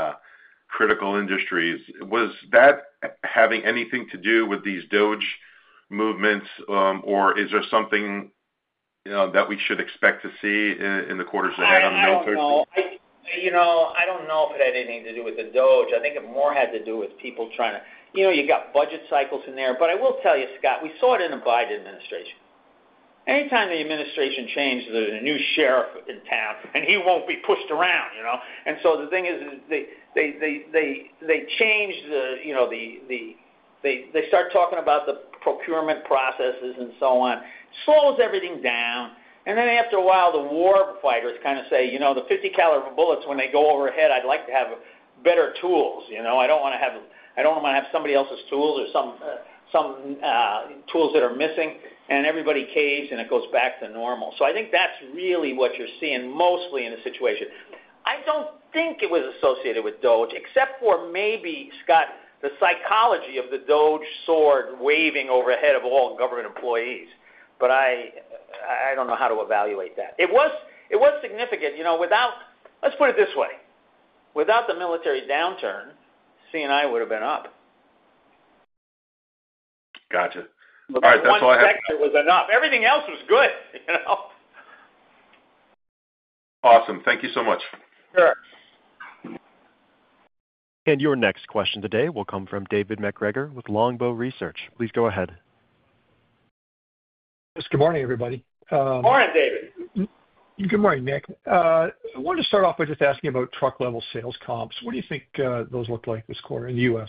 critical industries. Was that having anything to do with these DOGE movements, or is there something that we should expect to see in the quarters ahead on the military? I don't know if it had anything to do with the DOGE. I think it more had to do with people trying to, you got budget cycles in there. I will tell you, Scott, we saw it in the Biden administration. Anytime the administration changes, there's a new sheriff in town, and he won't be pushed around. The thing is, they change the, they start talking about the procurement processes and so on. Slows everything down. After a while, the war fighters kind of say, "The 50-caliber bullets, when they go overhead, I'd like to have better tools. I don't want to have, I don't want to have somebody else's tools or some tools that are missing." Everybody caves, and it goes back to normal. I think that's really what you're seeing mostly in the situation. I don't think it was associated with DOGE, except for maybe, Scott, the psychology of the DOGE sword waving overhead of all government employees. I don't know how to evaluate that. It was significant. Let's put it this way. Without the military downturn, C&I would have been up. Gotcha. All right. That's all I have. The military was enough. Everything else was good. Awesome. Thank you so much. Sure. Your next question today will come from David Macgregor with Longbow Research. Please go ahead. Good morning, everybody. Morning, David. Good morning, Nick. I wanted to start off by just asking about truck-level sales comps. What do you think those look like this quarter in the U.S.?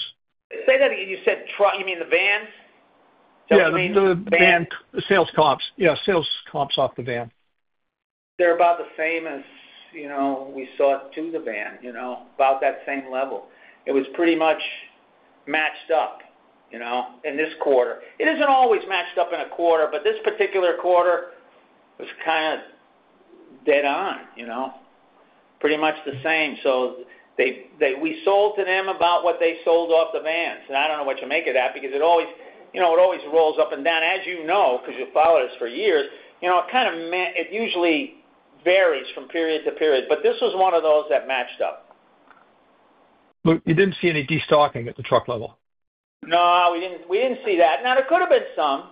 Say that again. You said truck? You mean the vans? Yeah. The vans. Sales comps. Yeah. Sales comps off the van. They're about the same as we saw it to the van, about that same level. It was pretty much matched up in this quarter. It isn't always matched up in a quarter, but this particular quarter was kind of dead on, pretty much the same. So we sold to them about what they sold off the vans. I don't know what you make of that because it always rolls up and down. As you know, because you've followed us for years, it usually varies from period to period. This was one of those that matched up. You didn't see any destocking at the truck level? No, we didn't see that. Now, there could have been some,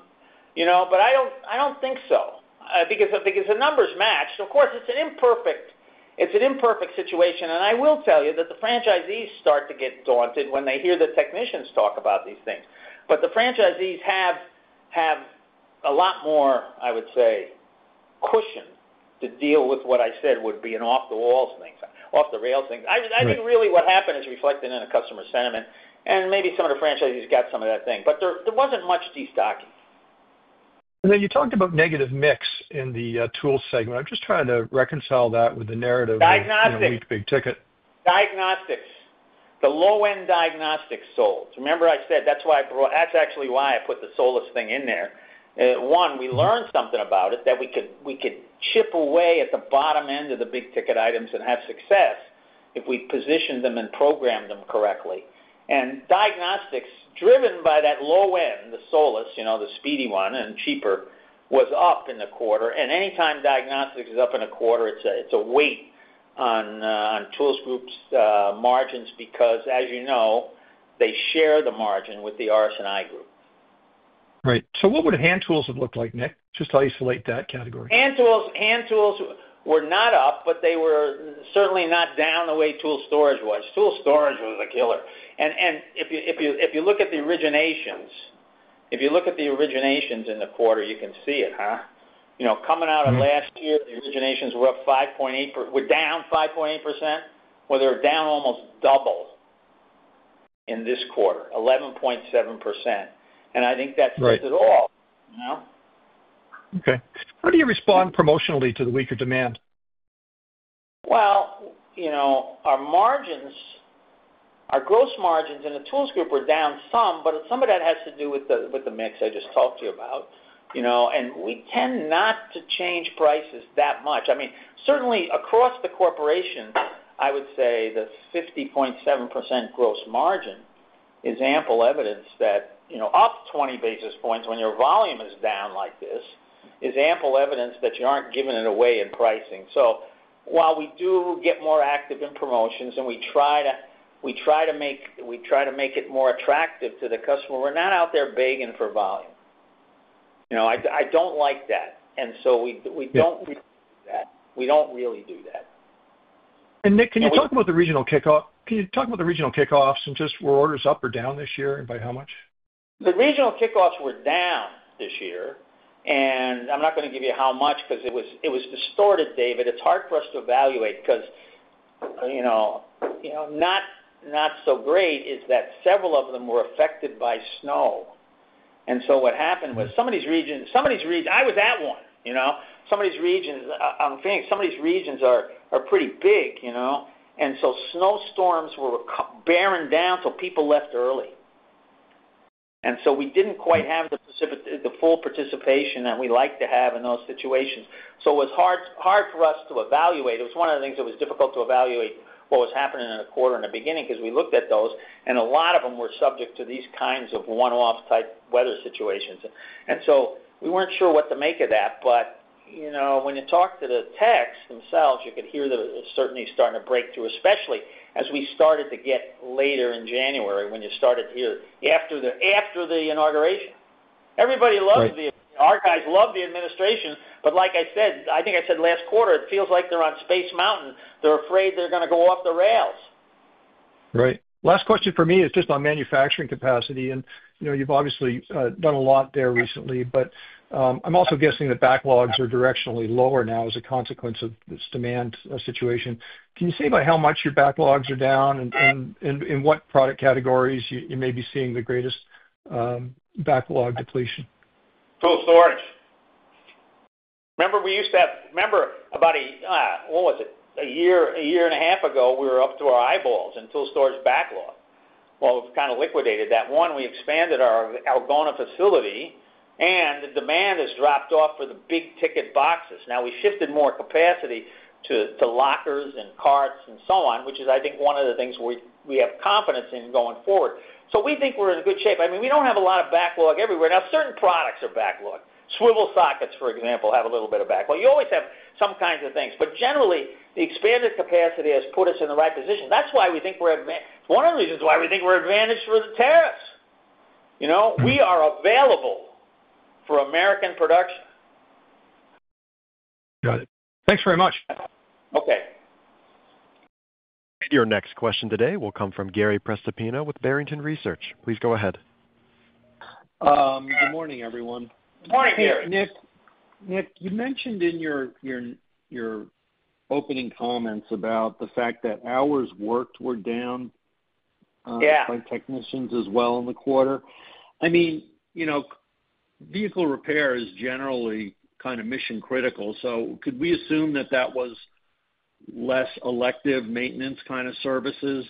but I don't think so because the numbers match. Of course, it's an imperfect situation. I will tell you that the franchisees start to get daunted when they hear the technicians talk about these things. The franchisees have a lot more, I would say, cushion to deal with what I said would be an off-the-walls thing, off-the-rails thing. I think really what happened is reflected in the customer sentiment. Maybe some of the franchisees got some of that thing, but there wasn't much destocking. You talked about negative mix in the tools segment. I'm just trying to reconcile that with the narrative of the week big ticket. Diagnostics. The low-end diagnostics sold. Remember I said that's why I brought that's actually why I put the Solus thing in there. One, we learned something about it that we could chip away at the bottom end of the big ticket items and have success if we positioned them and programmed them correctly. Diagnostics, driven by that low-end, the Solus, the speedy one and cheaper, was up in the quarter. Anytime diagnostics is up in a quarter, it's a weight on Tools Group's margins because, as you know, they share the margin with the RS&I group. Right. What would hand tools have looked like, Nick? Just isolate that category. Hand tools were not up, but they were certainly not down the way tool storage was. Tool storage was a killer. If you look at the originations, if you look at the originations in the quarter, you can see it, huh? Coming out of last year, the originations were up 5.8%, were down 5.8%, where they were down almost double in this quarter, 11.7%. I think that says it all. Okay. How do you respond promotionally to the weaker demand? Our margins, our gross margins in the tools group were down some, but some of that has to do with the mix I just talked to you about. I mean, certainly across the corporation, I would say the 50.7% gross margin is ample evidence that up 20 basis points when your volume is down like this is ample evidence that you aren't giving it away in pricing. While we do get more active in promotions and we try to make it more attractive to the customer, we're not out there begging for volume. I don't like that. We don't really do that. Nick, can you talk about the regional kickoff? Can you talk about the regional kickoffs and just were orders up or down this year and by how much? The regional kickoffs were down this year. I'm not going to give you how much because it was distorted, David. It's hard for us to evaluate because not so great is that several of them were affected by snow. What happened was some of these regions, I was at one. Some of these regions, I'm thinking, some of these regions are pretty big. Snowstorms were bearing down, so people left early. We didn't quite have the full participation that we like to have in those situations. It was hard for us to evaluate. It was one of the things that was difficult to evaluate what was happening in the quarter in the beginning because we looked at those, and a lot of them were subject to these kinds of one-off-type weather situations. We were not sure what to make of that. When you talk to the techs themselves, you could hear the certainty starting to break through, especially as we started to get later in January when you started to hear after the inauguration. Everybody loved the, our guys loved the administration. Like I said, I think I said last quarter, it feels like they are on Space Mountain. They are afraid they are going to go off the rails. Right. Last question for me is just on manufacturing capacity. You have obviously done a lot there recently, but I'm also guessing the backlogs are directionally lower now as a consequence of this demand situation. Can you say by how much your backlogs are down and in what product categories you may be seeing the greatest backlog depletion? Tool storage. Remember we used to have, remember about a, what was it, a year and a half ago, we were up to our eyeballs in tool storage backlog. We have kind of liquidated that. One, we expanded our Algona facility, and the demand has dropped off for the big ticket boxes. Now, we shifted more capacity to lockers and carts and so on, which is, I think, one of the things we have confidence in going forward. We think we are in good shape. I mean, we do not have a lot of backlog everywhere. Certain products are backlogged. Swivel sockets, for example, have a little bit of backlog. You always have some kinds of things. Generally, the expanded capacity has put us in the right position. That is why we think we are one of the reasons why we think we are advantaged for the tariffs. We are available for American production. Got it. Thanks very much. Okay. Your next question today will come from Gary Prestopino with Barrington Research. Please go ahead. Good morning, everyone. Good morning, Gary. Nick, you mentioned in your opening comments about the fact that hours worked were down by technicians as well in the quarter. I mean, vehicle repair is generally kind of mission-critical. Could we assume that that was less elective maintenance kind of services?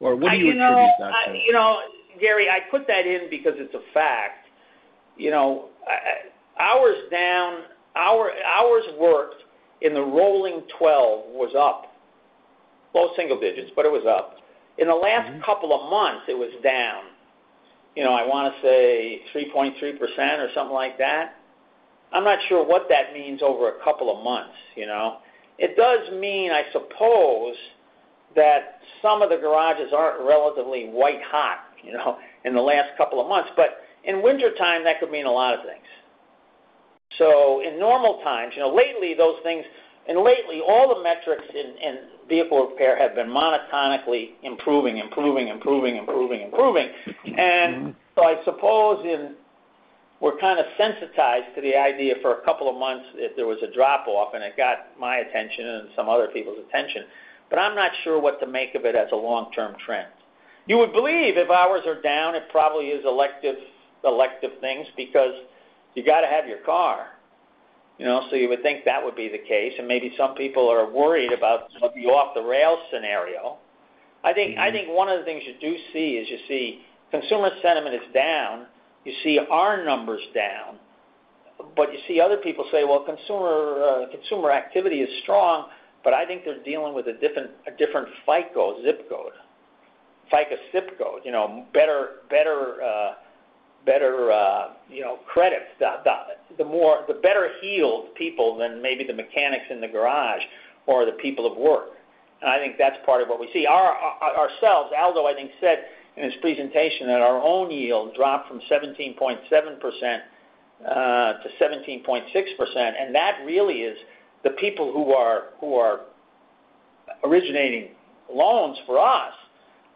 Or what do you attribute that to? Gary, I put that in because it is a fact. Hours worked in the rolling 12 was up. Low single digits, but it was up. In the last couple of months, it was down. I want to say 3.3% or something like that. I'm not sure what that means over a couple of months. It does mean, I suppose, that some of the garages aren't relatively white-hot in the last couple of months. In wintertime, that could mean a lot of things. In normal times, lately, those things and lately, all the metrics in vehicle repair have been monotonically improving, improving, improving, improving, improving. I suppose we're kind of sensitized to the idea for a couple of months that there was a drop-off, and it got my attention and some other people's attention. I'm not sure what to make of it as a long-term trend. You would believe if hours are down, it probably is elective things because you got to have your car. You would think that would be the case. Maybe some people are worried about the off-the-rails scenario. I think one of the things you do see is you see consumer sentiment is down. You see our numbers down. You see other people say, "Well, consumer activity is strong, but I think they're dealing with a different FICO, ZIP code, better credit." The better-heeled people than maybe the mechanics in the garage or the people of work. I think that's part of what we see. Ourselves, Aldo, I think, said in his presentation that our own yield dropped from 17.7% to 17.6%. That really is the people who are originating loans for us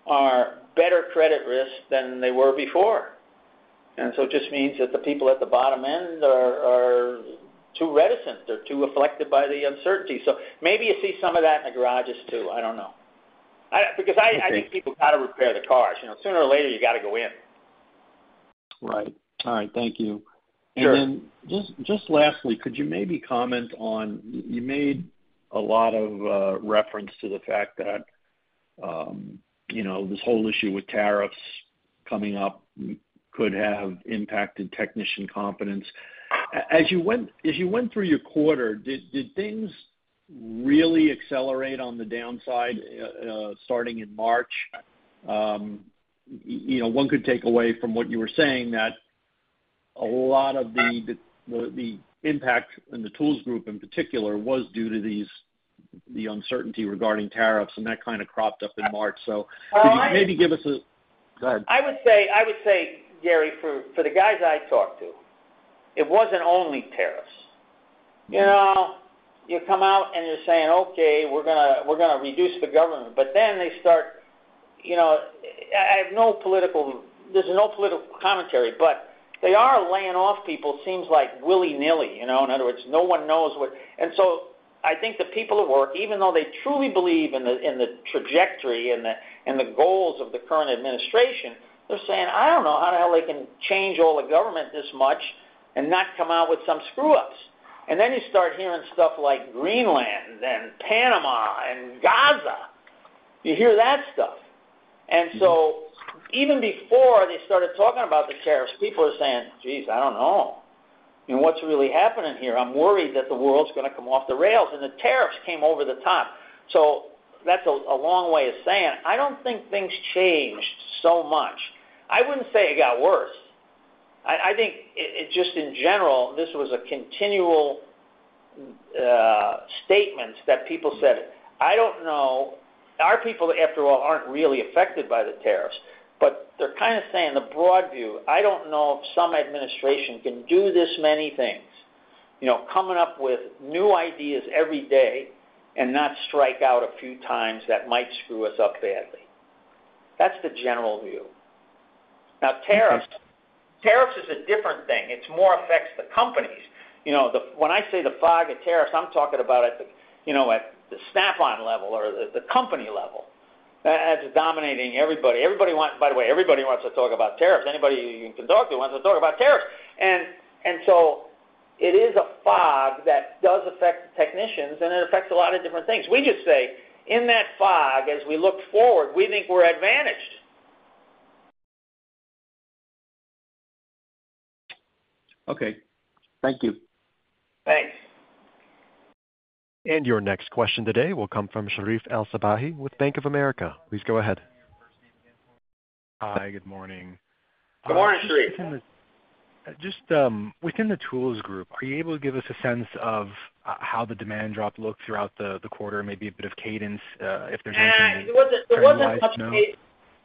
are better credit risk than they were before. It just means that the people at the bottom end are too reticent. They're too afflicted by the uncertainty. Maybe you see some of that in the garages too. I don't know. I think people got to repair the cars. Sooner or later, you got to go in. Right. Thank you. Lastly, could you maybe comment on you made a lot of reference to the fact that this whole issue with tariffs coming up could have impacted technician confidence. As you went through your quarter, did things really accelerate on the downside starting in March? One could take away from what you were saying that a lot of the impact in the tools group in particular was due to the uncertainty regarding tariffs, and that kind of cropped up in March. Could you maybe give us a go ahead. I would say, Gary, for the guys I talked to, it wasn't only tariffs. You come out and you're saying, "Okay, we're going to reduce the government." They start, I have no political, there's no political commentary, but they are laying off people, seems like willy-nilly. In other words, no one knows what, and I think the people of work, even though they truly believe in the trajectory and the goals of the current administration, they're saying, "I don't know how the hell they can change all the government this much and not come out with some screw-ups." You start hearing stuff like Greenland and Panama and Gaza. You hear that stuff. Even before they started talking about the tariffs, people are saying, "Geez, I don't know. What's really happening here? I'm worried that the world's going to come off the rails." The tariffs came over the top. That is a long way of saying I don't think things changed so much. I wouldn't say it got worse. I think just in general, this was a continual statement that people said, "I don't know." Our people, after all, aren't really affected by the tariffs, but they're kind of saying the broad view, "I don't know if some administration can do this many things, coming up with new ideas every day and not strike out a few times that might screw us up badly." That is the general view. Now, tariffs is a different thing. It more affects the companies. When I say the fog of tariffs, I'm talking about at the Snap-on level or the company level that is dominating everybody. By the way, everybody wants to talk about tariffs. Anybody you can talk to wants to talk about tariffs. It is a fog that does affect the technicians, and it affects a lot of different things. We just say, "In that fog, as we look forward, we think we're advantaged." Okay. Thank you. Thanks. Your next question today will come from Sherif El-Sabbahy with Bank of America. Please go ahead. Hi. Good morning. Good morning, Sherif. Just within the tools group, are you able to give us a sense of how the demand drop looked throughout the quarter, maybe a bit of cadence, if there's anything that you want to touch base? There wasn't much cadence.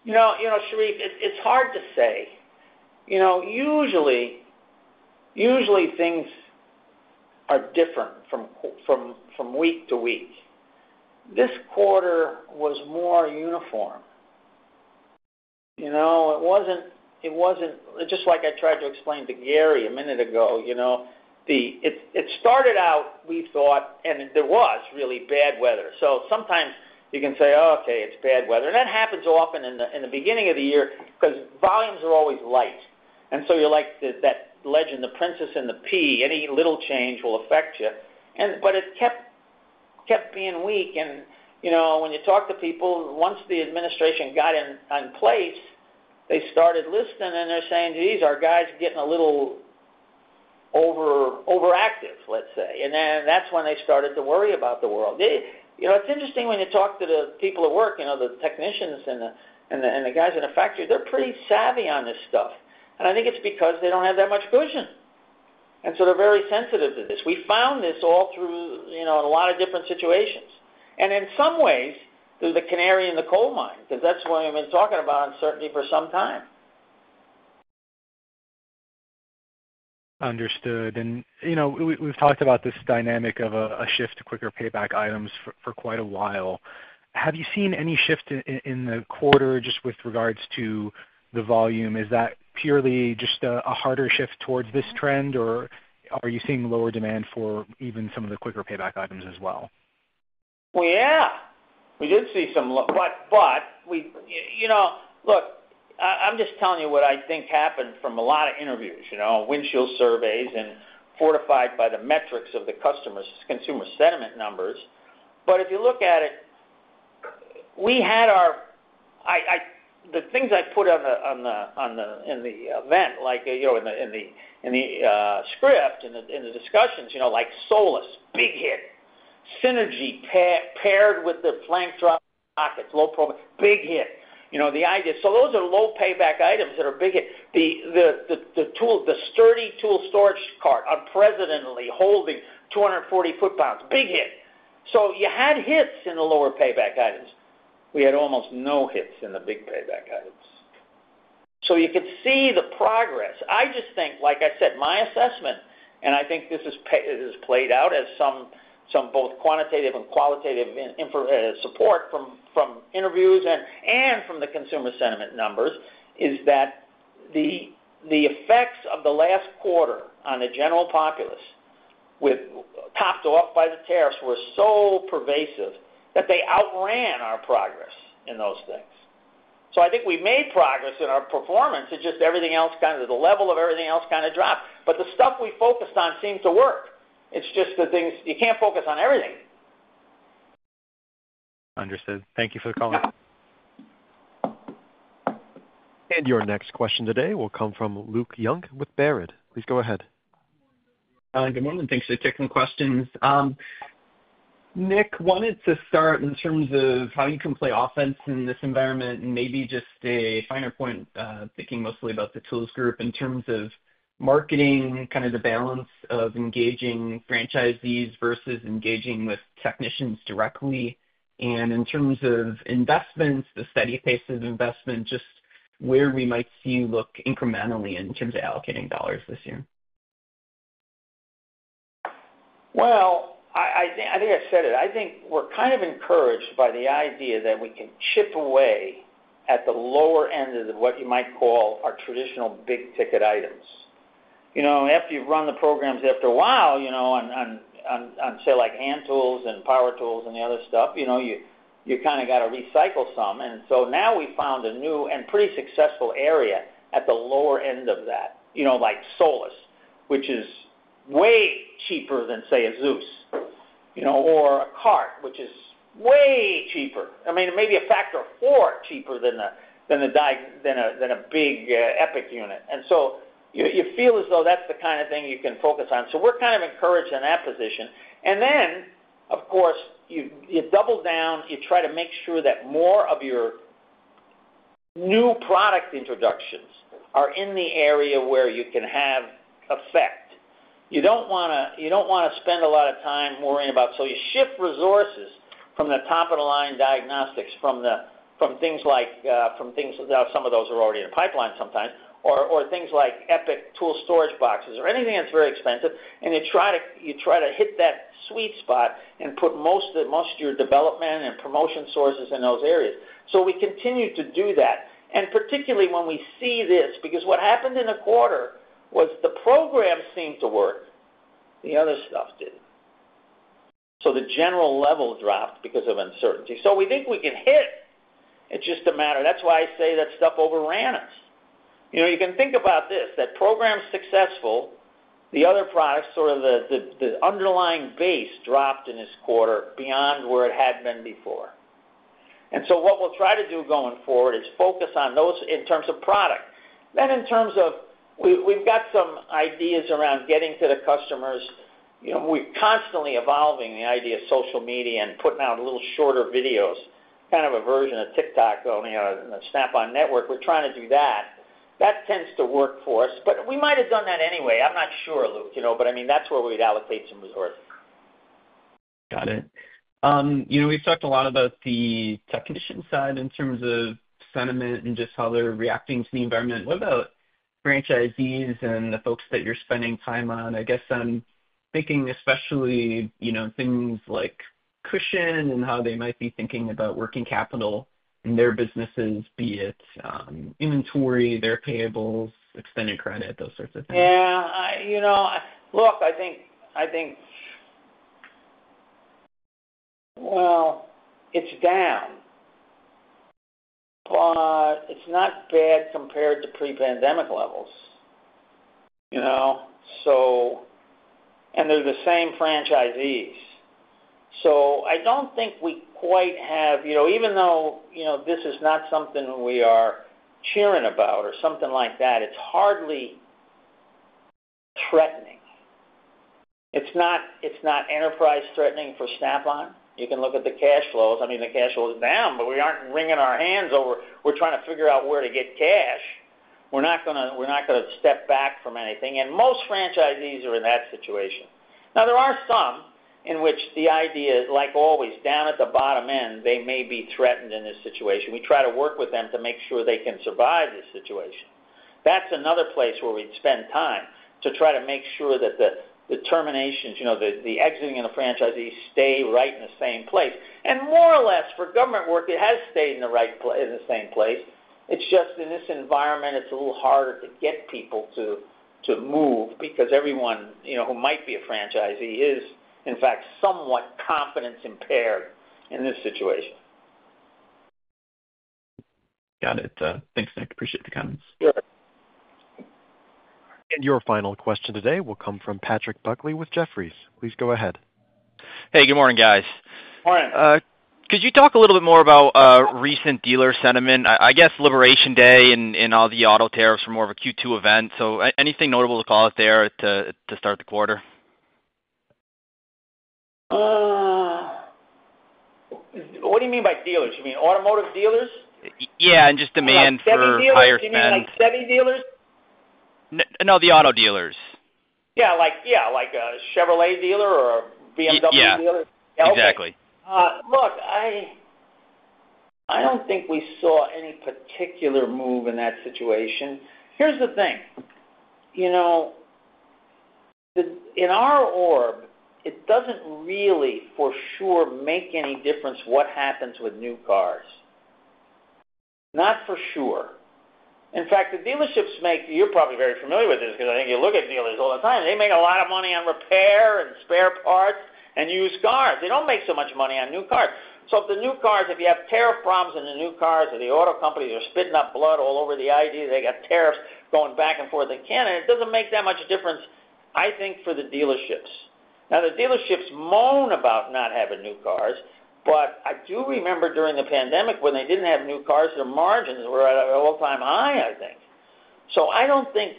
Sherif, it's hard to say. Usually, things are different from week to week. This quarter was more uniform. It wasn't just like I tried to explain to Gary a minute ago. It started out, we thought, and there was really bad weather. Sometimes you can say, "Okay, it's bad weather." That happens often in the beginning of the year because volumes are always light. You're like that legend, the Princess and the Pea. Any little change will affect you. It kept being weak. When you talk to people, once the administration got in place, they started listening, and they're saying, "Geez, our guy's getting a little overactive," let's say. That is when they started to worry about the world. It's interesting when you talk to the people at work, the technicians and the guys in the factory, they're pretty savvy on this stuff. I think it's because they don't have that much cushion. They're very sensitive to this. We found this all through a lot of different situations. In some ways, through the canary in the coal mine because that's what we've been talking about, uncertainty for some time. Understood. We've talked about this dynamic of a shift to quicker payback items for quite a while. Have you seen any shift in the quarter just with regards to the volume? Is that purely just a harder shift towards this trend, or are you seeing lower demand for even some of the quicker payback items as well? Yeah. We did see some low. Look, I'm just telling you what I think happened from a lot of interviews, windshield surveys, and fortified by the metrics of the consumer sentiment numbers. If you look at it, we had the things I put on the event, like in the script, in the discussions, like Solus, big hit, Synergy paired with the flank-throttle sockets, low-profile, big hit. Those are low payback items that are big hit. The sturdy tool storage cart, unprecedentedly holding 240 foot-pounds, big hit. You had hits in the lower payback items. We had almost no hits in the big payback items. You could see the progress. I just think, like I said, my assessment, and I think this has played out as some both quantitative and qualitative support from interviews and from the consumer sentiment numbers, is that the effects of the last quarter on the general populace, topped off by the tariffs, were so pervasive that they outran our progress in those things. I think we made progress in our performance. It's just everything else, kind of the level of everything else, kind of dropped. The stuff we focused on seemed to work. It's just the things you can't focus on everything. Understood. Thank you for the call. Your next question today will come from Luke Junk with Baird. Please go ahead. Hi. Good morning. Thanks for taking the questions. Nick, wanted to start in terms of how you can play offense in this environment and maybe just a finer point, thinking mostly about the tools group, in terms of marketing, kind of the balance of engaging franchisees versus engaging with technicians directly. In terms of investments, the steady pace of investment, just where we might see you look incrementally in terms of allocating dollars this year. I think I said it. I think we're kind of encouraged by the idea that we can chip away at the lower end of what you might call our traditional big ticket items. After you've run the programs after a while on, say, like hand tools and power tools and the other stuff, you kind of got to recycle some. Now we found a new and pretty successful area at the lower end of that, like Solus, which is way cheaper than, say, a Zeus, or a cart, which is way cheaper. I mean, maybe a factor of four cheaper than a big Epic unit. You feel as though that's the kind of thing you can focus on. We are kind of encouraged in that position. Of course, you double down. You try to make sure that more of your new product introductions are in the area where you can have effect. You don't want to spend a lot of time worrying about. You shift resources from the top-of-the-line diagnostics, from things like some of those are already in the pipeline sometimes, or things like Epic tool storage boxes or anything that's very expensive. You try to hit that sweet spot and put most of your development and promotion sources in those areas. We continue to do that. Particularly when we see this, because what happened in the quarter was the program seemed to work. The other stuff didn't. The general level dropped because of uncertainty. We think we can hit. It's just a matter, that's why I say that stuff overran us. You can think about this. That program's successful. The other products, sort of the underlying base dropped in this quarter beyond where it had been before. What we'll try to do going forward is focus on those in terms of product. In terms of we've got some ideas around getting to the customers. We're constantly evolving the idea of social media and putting out a little shorter videos, kind of a version of TikTok on the Snap-on network. We're trying to do that. That tends to work for us. We might have done that anyway. I'm not sure, Luke. I mean, that's where we'd allocate some resources. Got it. We've talked a lot about the technician side in terms of sentiment and just how they're reacting to the environment. What about franchisees and the folks that you're spending time on? I guess I'm thinking especially things like cushion and how they might be thinking about working capital in their businesses, be it inventory, their payables, extended credit, those sorts of things. Yeah. Look, I think, well, it's down, but it's not bad compared to pre-pandemic levels. They're the same franchisees. I don't think we quite have, even though this is not something we are cheering about or something like that, it's hardly threatening. It's not enterprise threatening for Snap-on. You can look at the cash flows. I mean, the cash flow is down, but we aren't wringing our hands over it. We're trying to figure out where to get cash. We're not going to step back from anything. Most franchisees are in that situation. Now, there are some in which the idea, like always, down at the bottom end, they may be threatened in this situation. We try to work with them to make sure they can survive this situation. That's another place where we'd spend time to try to make sure that the terminations, the exiting of the franchisees, stay right in the same place. More or less, for government work, it has stayed in the same place. It's just in this environment, it's a little harder to get people to move because everyone who might be a franchisee is, in fact, somewhat confidence impaired in this situation. Got it. Thanks, Nick. Appreciate the comments. Sure. Your final question today will come from Patrick Buckley with Jefferies. Please go ahead. Hey, good morning, guys. Morning. Could you talk a little bit more about recent dealer sentiment? I guess Liberation Day and all the auto tariffs were more of a Q2 event. Anything notable to call out there to start the quarter? What do you mean by dealers? You mean automotive dealers? Yeah. Just demand for higher standards. You mean like semi dealers? No, the auto dealers. Yeah. Like a Chevrolet dealer or a BMW dealer. Yeah. Exactly. Look, I don't think we saw any particular move in that situation. Here's the thing. In our orb, it doesn't really for sure make any difference what happens with new cars. Not for sure. In fact, the dealerships make, you're probably very familiar with this because I think you look at dealers all the time, they make a lot of money on repair and spare parts and used cars. They don't make so much money on new cars. If the new cars, if you have tariff problems in the new cars or the auto companies are spitting up blood all over the idea they got tariffs going back and forth, they can. It doesn't make that much difference, I think, for the dealerships. Now, the dealerships moan about not having new cars, but I do remember during the pandemic when they did not have new cars, their margins were at an all-time high, I think. I do not think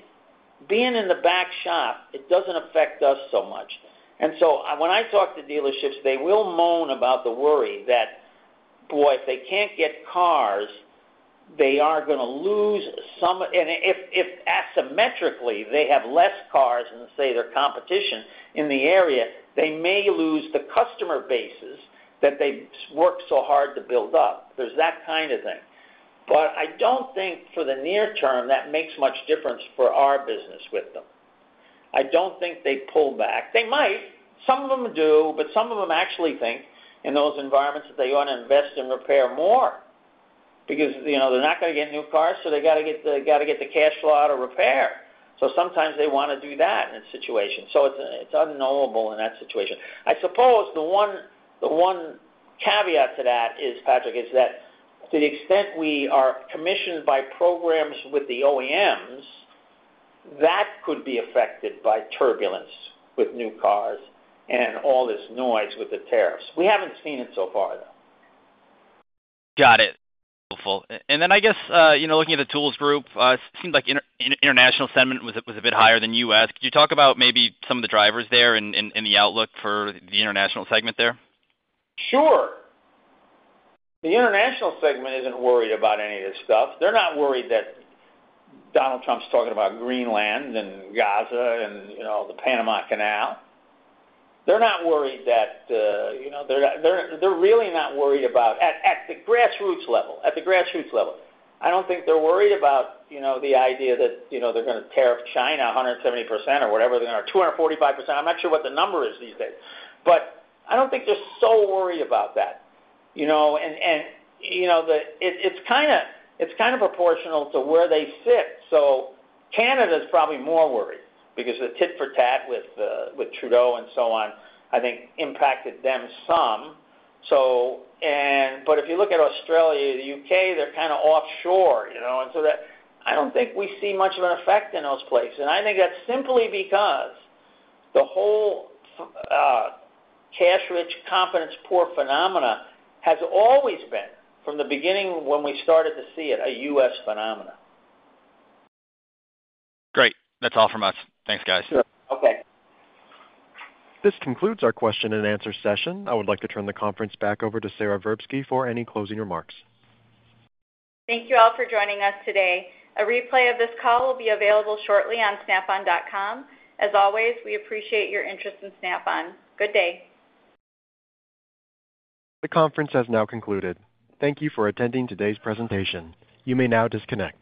being in the back shop, it affects us so much. When I talk to dealerships, they will moan about the worry that, boy, if they cannot get cars, they are going to lose some. If asymmetrically, they have fewer cars than, say, their competition in the area, they may lose the customer bases that they have worked so hard to build up. There is that kind of thing. I do not think for the near term that makes much difference for our business with them. I do not think they pull back. They might. Some of them do, but some of them actually think in those environments that they want to invest in repair more because they're not going to get new cars, so they got to get the cash flow out of repair. Sometimes they want to do that in situations. It's unknowable in that situation. I suppose the one caveat to that is, Patrick, is that to the extent we are commissioned by programs with the OEMs, that could be affected by turbulence with new cars and all this noise with the tariffs. We haven't seen it so far, though. Got it. Helpful. I guess looking at the tools group, it seemed like international sentiment was a bit higher than U.S. Could you talk about maybe some of the drivers there and the outlook for the international segment there? Sure. The international segment isn't worried about any of this stuff. They're not worried that Donald Trump's talking about Greenland and Gaza and the Panama Canal. They're not worried, they're really not worried about at the grassroots level. At the grassroots level, I don't think they're worried about the idea that they're going to tariff China 170% or whatever, they're going to 245%. I'm not sure what the number is these days, but I don't think they're so worried about that. It's kind of proportional to where they sit. Canada is probably more worried because the tit for tat with Trudeau and so on, I think, impacted them some. If you look at Australia or the U.K., they're kind of offshore. I don't think we see much of an effect in those places. I think that's simply because the whole cash-rich, confidence-poor phenomena has always been, from the beginning when we started to see it, a U.S. phenomena. Great. That's all from us. Thanks, guys. Okay. This concludes our question and answer session. I would like to turn the conference back over to Sara Verbsky for any closing remarks. Thank you all for joining us today. A replay of this call will be available shortly on snapon.com. As always, we appreciate your interest in Snap-on. Good day. The conference has now concluded. Thank you for attending today's presentation. You may now disconnect.